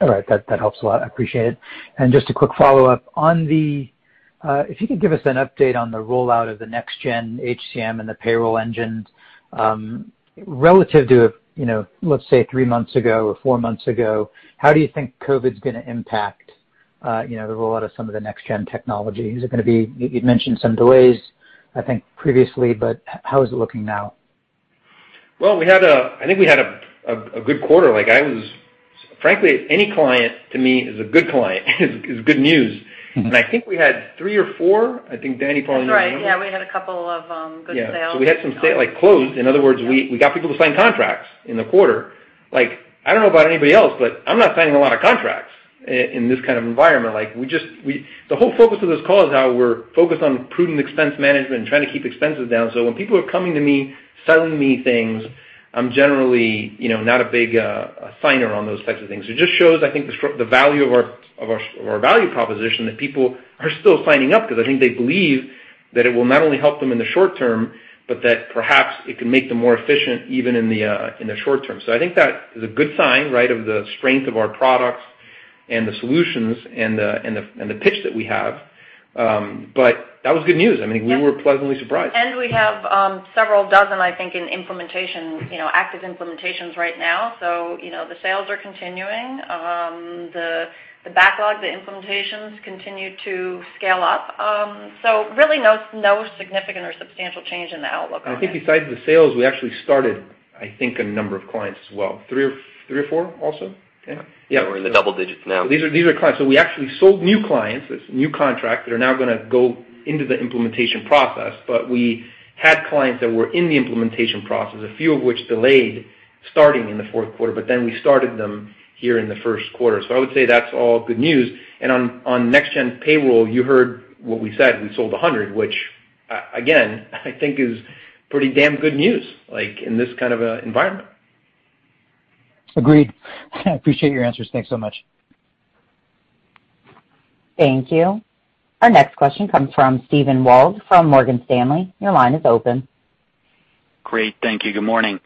All right. That helps a lot i appreciate it. Just a quick follow-up. If you could give us an update on the rollout of the Next Gen HCM and the payroll engine. Relative to, let's say, three months ago or four months ago, how do you think COVID's going to impact the rollout of some of the Next Gen technologies? you'd mentioned some delays, I think, previously, how is it looking now? Well, I think we had a good quarter frankly, any client to me is a good client, is good news. I think we had three or four, I think Danny probably would remember. That's right. Yeah, we had a couple of good sales. Yeah we had some closed. In other words, we got people to sign contracts in the quarter. I don't know about anybody else, but I'm not signing a lot of contracts in this kind of environment. The whole focus of this call is how we're focused on prudent expense management and trying to keep expenses down so when people are coming to me, selling me things- I'm generally not a big signer on those types of things it just shows, I think, the value of our value proposition, that people are still signing up because I think they believe that it will not only help them in the short term, but that perhaps it can make them more efficient even in the short term so i think that is a good sign of the strength of our products and the solutions and the pitch that we have. That was good news we were pleasantly surprised. We have several dozen, I think, in active implementations right now. The sales are continuing. The backlog, the implementations continue to scale up. Really no significant or substantial change in the outlook on that. I think besides the sales, we actually started, I think, a number of clients as well three or four also? Yeah. We're in the double digits now. These are clients that we actually sold new clients, new contracts, that are now going to go into the implementation process but we had clients that were in the implementation process, a few of which delayed starting in the Q4, but then we started them here in the Q1 so i would say that's all good news. and on Next Gen Payroll, you heard what we said we sold 100, which again, I think is pretty damn good news in this kind of environment. Agreed. I appreciate your answers thanks so much. Thank you. Our next question comes from Steven Wald from Morgan Stanley. Your line is open. Great. Thank you good morning.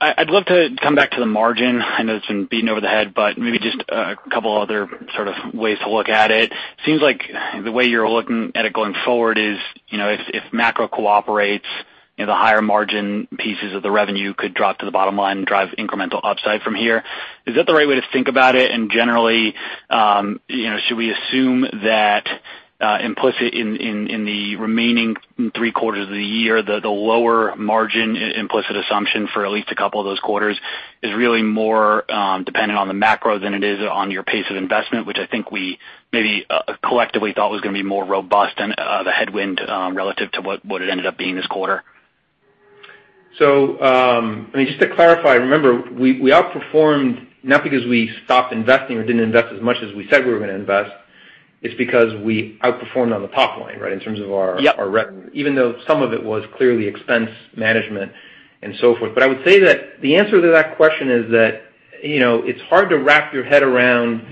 I'd love to come back to the margin. I know it's been beaten over the head, maybe just a couple other sort of ways to look at it. Seems like the way you're looking at it going forward is, if macro cooperates, the higher margin pieces of the revenue could drop to the bottom line and drive incremental upside from here. Is that the right way to think about it? and generally- -should we assume that? implicit in the remaining three quarters of the year, the lower margin implicit assumption for at least a couple of those quarters? is really more dependent on the macro than it is on your pace of investment, which I think we maybe collectively thought was going to be more robust and the headwind relative to what it ended up being this quarter? Just to clarify, remember, we outperformed not because we stopped investing or didn't invest as much as we said we were going to invest. It's because we outperformed on the top line, right, in terms of our revenue. Yep. Even though some of it was clearly expense management and so forth i would say that the answer to that question is that it's hard to wrap your head around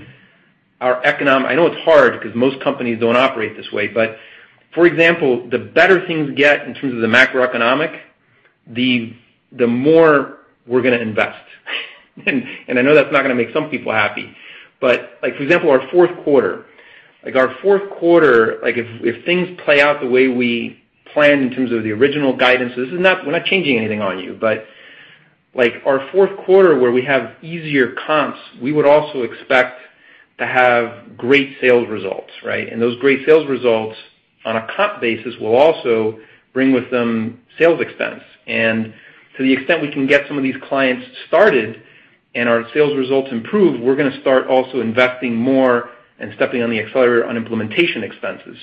our economic i know it's hard because most companies don't operate this way but, for example, the better things get in terms of the macroeconomic, the more we're going to invest. I know that's not going to make some people happy. For example, our Q4, if things play out the way we plan in terms of the original guidance, we're not changing anything on you. Our Q4, where we have easier comps, we would also expect to have great sales results, right? and those great sales results on a comp basis will also bring with them sales expense. To the extent we can get some of these clients started and our sales results improve, we're going to start also investing more and stepping on the accelerator on implementation expenses.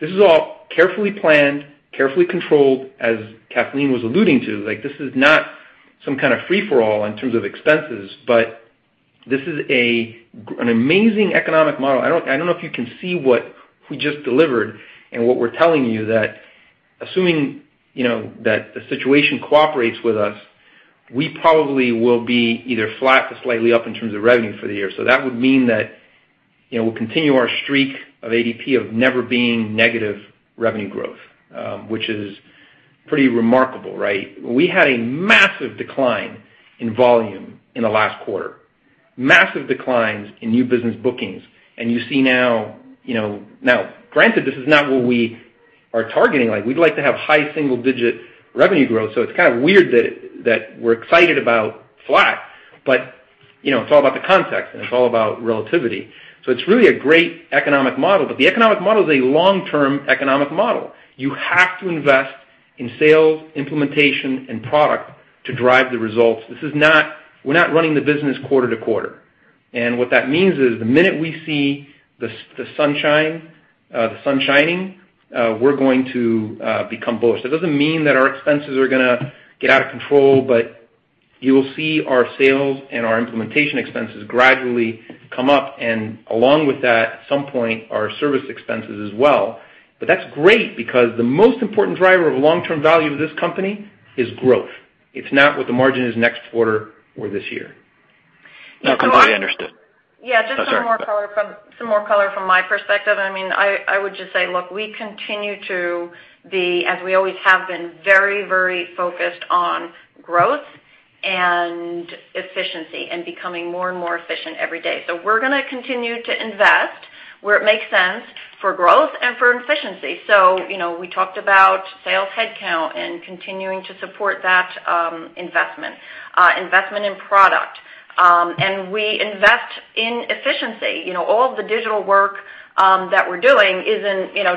This is all carefully planned, carefully controlled, as Kathleen was alluding to like this is not some kind of free-for-all in terms of expenses, but- -this is an amazing economic model i don't know if you can see what we just delivered and what we're telling you that assuming that the situation cooperates with us, we probably will be either flat to slightly up in terms of revenue for the year so that would mean that we'll continue our streak of ADP of never being negative revenue growth, which is pretty remarkable, right? We had a massive decline in volume in the last quarter, massive declines in new business bookings, and you see now, granted, this is not what we are targeting we'd like to have high single-digit revenue growth, so it's kind of weird that we're excited about flat, but- You know it's all about the context, and it's all about relativity. It's really a great economic model the economic model is a long-term economic model. You have to invest in sales, implementation, and product to drive the results we're not running the business quarter-to-quarter. What that means is the minute we see the sun shining, we're going to become bullish that doesn't mean that our expenses are going to get out of control, but you'll see our sales and our implementation expenses gradually come up and along with that, at some point, our service expenses as well. That's great because the most important driver of long-term value of this company is growth. It's not what the margin is next quarter or this year. No, completely understood. Yeah, just some more color from my perspective i would just say, look, we continue to be, as we always have been, very focused on growth and efficiency and becoming more and more efficient every day and we're going to continue to invest, where it makes sense for growth and for efficiency so we talked about sales headcount and continuing to support that investment in product. We invest in efficiency all of the digital work that we're doing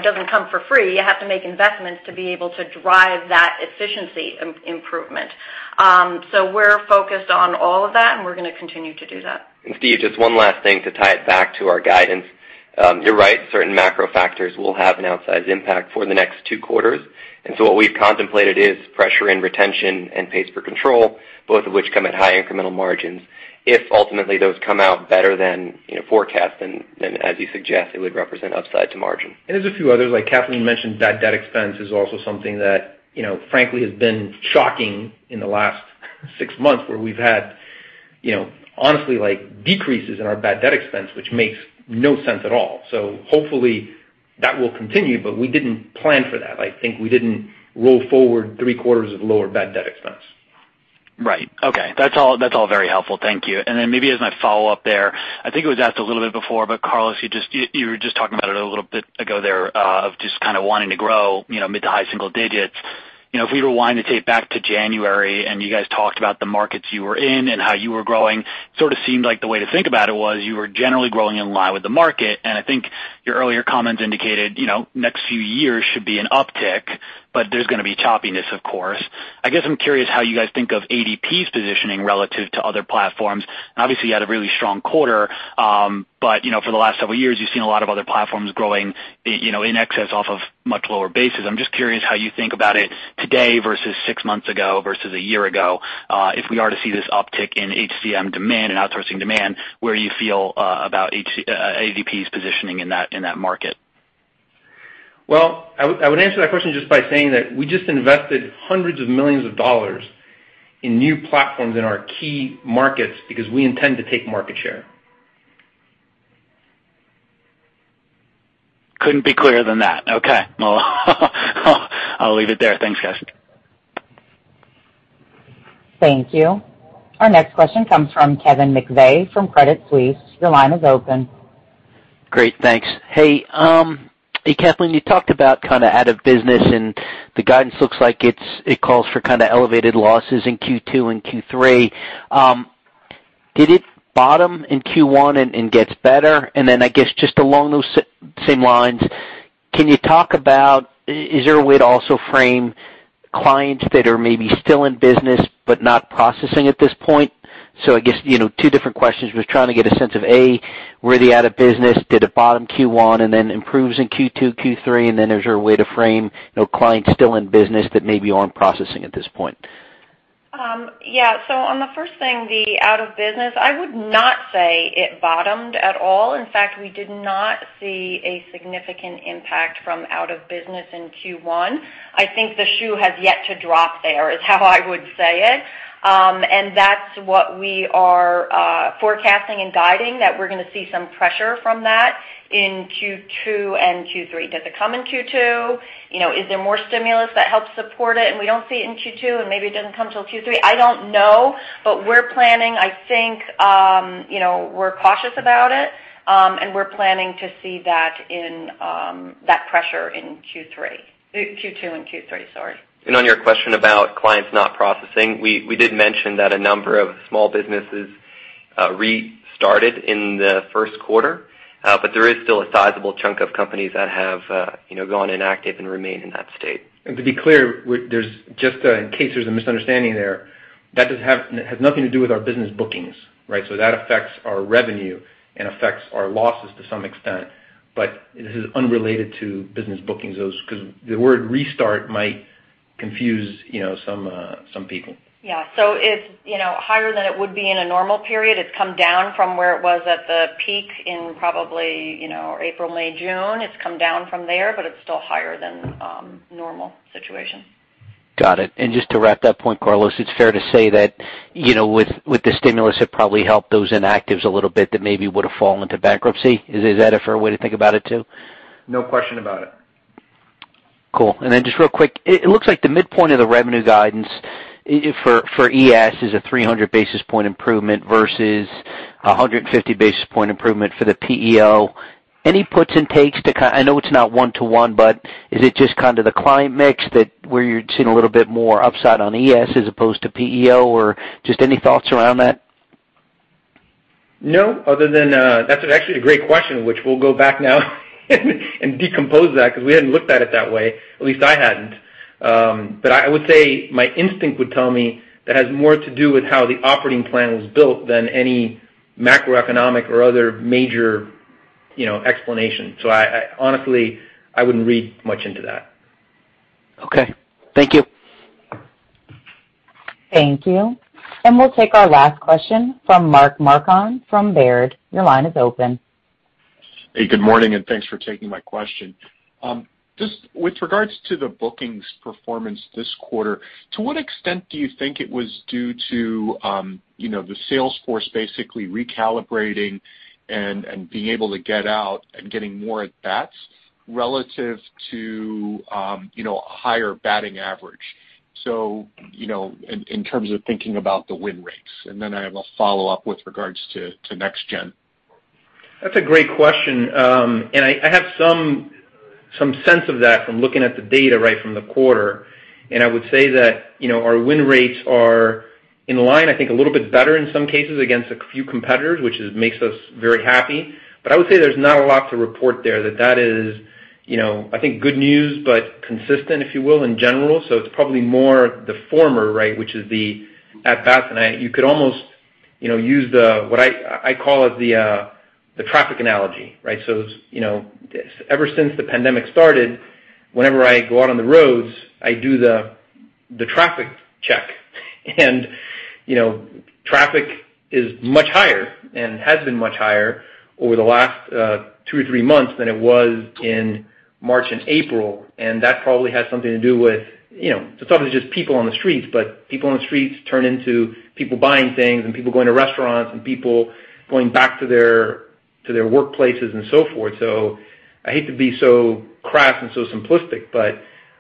doesn't come for free, you have to make investments to be able to drive that efficiency improvement. We're focused on all of that, and we're going to continue to do that. Steven, just one last thing to tie it back to our guidance. You're right, certain macro factors will have an outsized impact for the next two quarters. And so what we've contemplated is pressure in retention and pays per control, both of which come at high incremental margins. If ultimately those come out better than forecast, then as you suggest, it would represent upside to margin. There's a few others, like Kathleen mentioned, bad debt expense is also something that, frankly, has been shocking in the last six months, where we've had honestly, decreases in our bad debt expense, which makes no sense at all so hopefully that will continue, but we didn't plan for that i think we didn't roll forward three quarters of lower bad debt expense. Right. Okay. That's all very helpful thank you maybe as my follow-up there, I think it was asked a little bit before, but Carlos, you were just talking about it a little bit ago there, of just wanting to grow mid to high single digits. If we rewind the tape back to January and you guys talked about the markets you were in and how you were growing, sort of seemed like the way to think about it was you were generally growing in line with the market, and I think your earlier comments indicated, next few years should be an uptick, but there's going to be choppiness, of course. I guess I'm curious how you guys think of ADP's positioning relative to other platforms. Obviously, you had a really strong quarter, but, for the last several years, you've seen a lot of other platforms growing in excess off of much lower bases i'm just curious how you think about it today versus six months ago versus a year ago? If we are to see this uptick in HCM demand and outsourcing demand, where you feel about ADP's positioning in that market? Well, I would answer that question just by saying that we just invested hundreds of millions of dollars in new platforms in our key markets because we intend to take market share. Couldn't be clearer than that. Okay. I'll leave it there thanks, guys. Thank you. Our next question comes from Kevin McVeigh from Credit Suisse. Your line is open. Great thanks. Hey, Kathleen, you talked about out of business. The guidance looks like it calls for elevated losses in Q2 and Q3. Did it bottom in Q1 and gets better? I guess, just along those same lines, can you talk about, is there a way to also frame clients that are maybe still in business but not processing at this point? I guess, two different questions just trying to get a sense of, A, were they out of business? did it bottom Q1 and then improves in Q2, Q3? Is there a way to frame clients still in business but maybe aren't processing at this point? Yeah. On the first thing, the out of business, I would not say it bottomed at all. In fact, we did not see a significant impact from out of business in Q1. I think the shoe has yet to drop there, is how I would say it. That's what we are forecasting and guiding, that we're going to see some pressure from that in Q2 and Q3 does it come in Q2? Is there more stimulus that helps support it and we don't see it in Q2 and maybe it doesn't come till Q3? I don't know. But we're planning, I think, we're cautious about it, and we're planning to see that pressure in Q3. Q2 and Q3, sorry. On your question about clients not processing, we did mention that a number of small businesses restarted in the Q1. There is still a sizable chunk of companies that have gone inactive and remain in that state. To be clear, just in case there's a misunderstanding there, that has nothing to do with our business bookings. That affects our revenue and affects our losses to some extent but, this is unrelated to business bookings, because the word restart might confuse some people. Yeah. It's higher than it would be in a normal period it's come down from where it was at the peak in probably April, May, June it's come down from there, but it's still higher than normal situation. Got it. Just to wrap that point, Carlos, it's fair to say that with the stimulus, it probably helped those inactives a little bit that maybe would've fallen to bankruptcy? Is that a fair way to think about it, too? No question about it. Cool. Then just real quick, it looks like the midpoint of the revenue guidance for ES is a 300 basis point improvement versus 150 basis point improvement for the PEO. Any puts and takes to I know it's not one-to-one, but is it just the client mix that where you're seeing a little bit more upside on ES as opposed to PEO, or just any thoughts around that? That's actually a great question, which we'll go back now and decompose that, because we hadn't looked at it that way. At least I hadn't. I would say my instinct would tell me that has more to do with how the operating plan was built than any macroeconomic or other major explanation so honestly, I wouldn't read much into that. Okay. Thank you. Thank you. We'll take our last question from Mark Marcon from Baird. Your line is open. Hey, good morning, and thanks for taking my question. Just with regards to the bookings performance this quarter, to what extent do you think it was due to the sales force basically recalibrating and being able to get out and getting more at bats relative to a higher batting average? In terms of thinking about the win rates. And then I have a follow-up with regards to Next Gen. That's a great question. I have some sense of that from looking at the data right from the quarter. I would say that our win rates are in line, I think a little bit better in some cases against a few competitors, which makes us very happy. I would say there's not a lot to report there, that that is I think good news, but consistent, if you will, in general so it's probably more the former, which is the at bats you could almost use the, what I call it, the traffic analogy. Ever since the pandemic started, whenever I go out on the roads, I do the traffic check. Traffic is much higher and has been much higher over the last two or three months than it was in March and April. That probably has something to do with, it's obviously just people on the streets, but people on the streets turn into people buying things and people going to restaurants and people going back to their workplaces and so forth. I hate to be so crass and so simplistic, but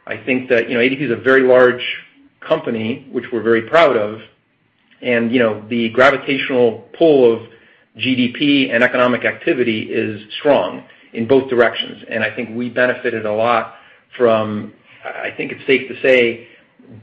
I think that ADP is a very large company, which we're very proud of. And you know the gravitational pull of GDP and economic activity is strong in both directions and i think we benefited a lot from, I think it's safe to say,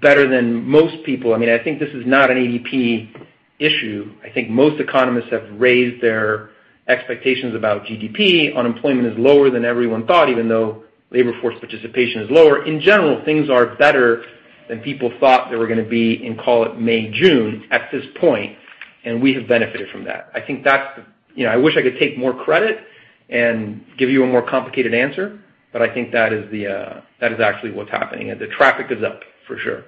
better than most people i think this is not an ADP issue. I think most economists have raised their expectations about GDP, unemployment is lower than everyone thought, even though labor force participation is lower in general, things are better than people thought they were going to be in, call it, May, June, at this point, and we have benefited from that. I wish I could take more credit and give you a more complicated answer, but I think that is actually what's happening, and the traffic is up for sure.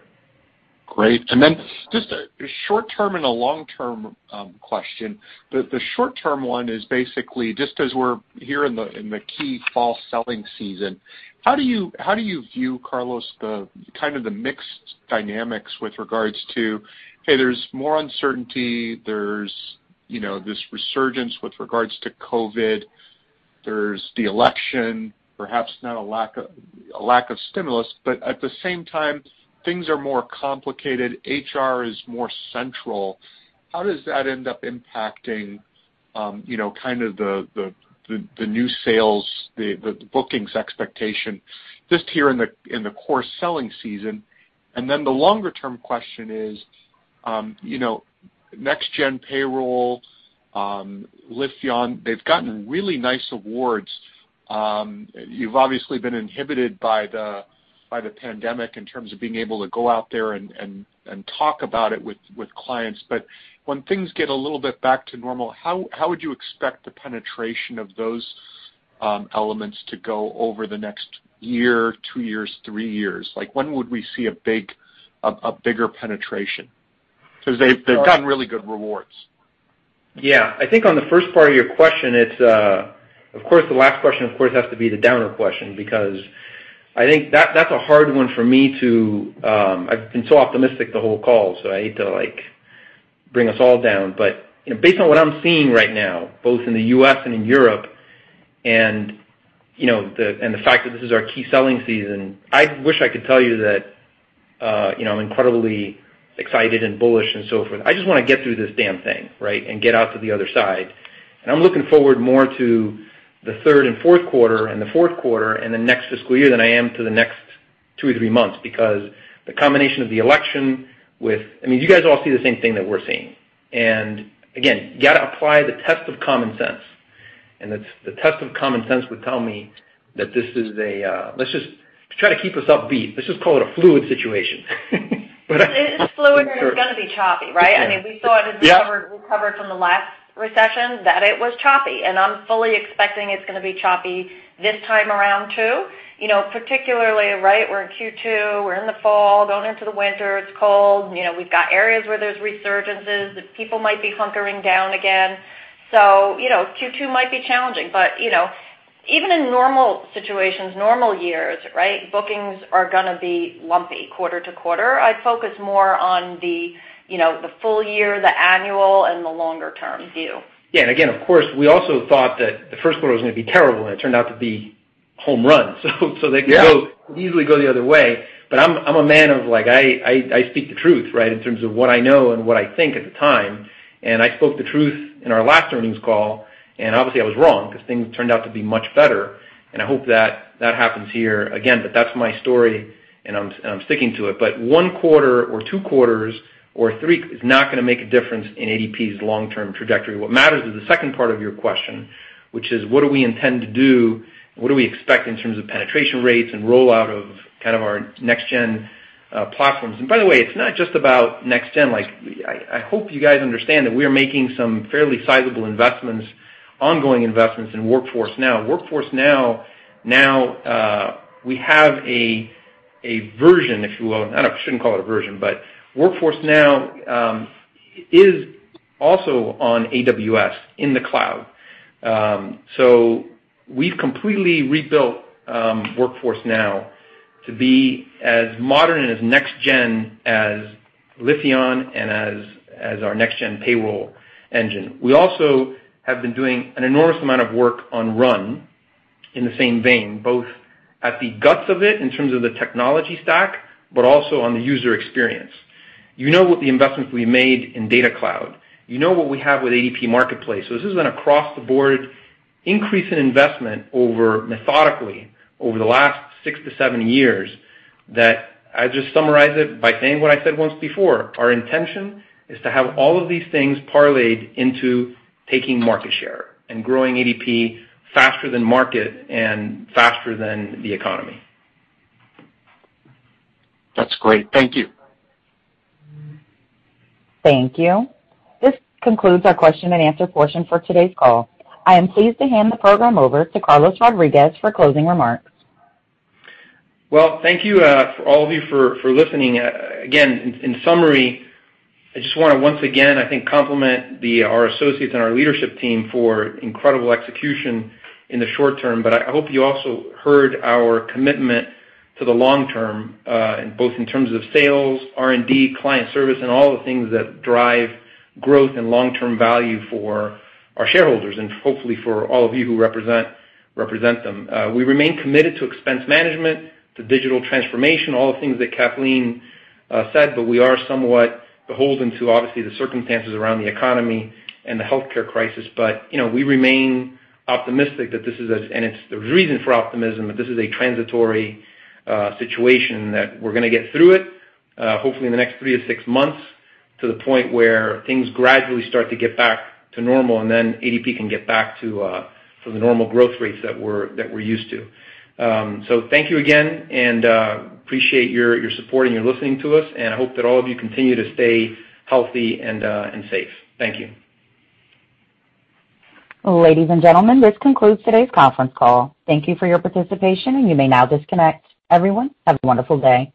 Great. Just a short-term and a long-term question. The short-term one is basically just as we're here in the key fall selling season, how do you view, Carlos, the mixed dynamics with regards to, hey, there's more uncertainty, there's this resurgence with regards to COVID-19, there's the election, perhaps now a lack of stimulus, but at the same time, things are more complicated. HR is more central. How does that end up impacting the new sales, the bookings expectation just here in the core selling season? The longer-term question is, Next Gen payroll engine on Lifion, they've gotten really nice awards. You've obviously been inhibited by the pandemic in terms of being able to go out there and talk about it with clients but- When things get a little bit back to normal, how would you expect the penetration of those elements to go over the next year? two years? three years? when would we see a bigger penetration? They've gotten really good rewards. Yeah. I think on the first part of your question, of course, the last question, of course, has to be the downer question, because, I think that's a hard one for me. I've been so optimistic the whole call, so I hate to bring us all down but- Based on what I'm seeing right now, both in the U.S. and in Europe, and the fact that this is our key selling season, I wish I could tell you that I'm incredibly excited and bullish and so forth i just want to get through this damn thing, right? and get out to the other side. I'm looking forward more to the Q3 and Q4, and the Q4, and the next fiscal year than I am to the next two to three months. You guys all see the same thing that we're seeing. Again, you got to apply the test of common sense. The test of common sense would tell me that this is, let's just try to keep us upbeat let's just call it a fluid situation. It is fluid, and it's going to be choppy, right? Yeah. We saw it as we recovered from the last recession, that it was choppy, and I'm fully expecting it's going to be choppy this time around, too. You know particularly, right, we're in Q2, we're in the fall, going into the winter it's cold, we've got areas where there's resurgences, that people might be hunkering down again. Q2 might be challenging, but even in normal situations, normal years, right, bookings are going to be lumpy quarter-to-quarter. I'd focus more on the full year, the annual, and the longer-term view. Yeah again, of course, we also thought that the Q1 was going to be terrible, and it turned out to be home run. Yeah. I'm a man of, I speak the truth, right, in terms of what I know and what I think at the time. I spoke the truth in our last earnings call, and obviously, I was wrong because things turned out to be much better, and I hope that happens here again but that's my story, and I'm sticking to it but one quarter or two quarters or three is not going to make a difference in ADP's long-term trajectory what matters is the second part of your question- -which is, what do we intend to do? What do we expect in terms of penetration rates and rollout of our Next Gen platforms by the way, it's not just about Next Gen. I hope you guys understand that we are making some fairly sizable investments, ongoing investments in Workforce Now, Workforce Now, we have a version, if you will, I shouldn't call it a version, but Workforce Now is also on AWS in the Cloud. We've completely rebuilt Workforce Now to be as modern and as Next Gen as Lifion and as our Next Gen payroll engine we also have been doing an enormous amount of work on RUN. In the same vein, both at the guts of it in terms of the technology stack, but also on the user experience. You know the investments we made in DataCloud. You know what we have with ADP Marketplace this has been across-the-board increase in investment methodically over the last six to seven years that I just summarize it by saying what I said once before. Our intention is to have all of these things parlayed into taking market share and growing ADP faster than market and faster than the economy. That's great. Thank you. Thank you. This concludes our question and answer portion for today's call. I am pleased to hand the program over to Carlos Rodriguez for closing remarks. Well, thank you all of you for listening again, in summary, I just want to once again, I think, compliment our associates and our leadership team for incredible execution in the short term but I hope you also heard our commitment to the long term- -in both in terms of sales, R&D, client service, and all the things that drive growth and long-term value for our shareholders and hopefully for all of you who represent them we remain committed to expense management, to digital transformation, all the things that Kathleen said we are somewhat beholden to, obviously, the circumstances around the economy and the healthcare crisis but, we remain optimistic, and it's the reason for optimism, that this is a transitory situation, that we're going to get through it, hopefully in the next three to six months. To the point where things gradually start to get back to normal, and then ADP can get back to the normal growth rates that we're used to. Thank you again. Appreciate your support and your listening to us. I hope that all of you continue to stay healthy and safe. Thank you. Ladies and gentlemen, this concludes today's conference call. Thank you for your participation, and you may now disconnect. Everyone, have a wonderful day.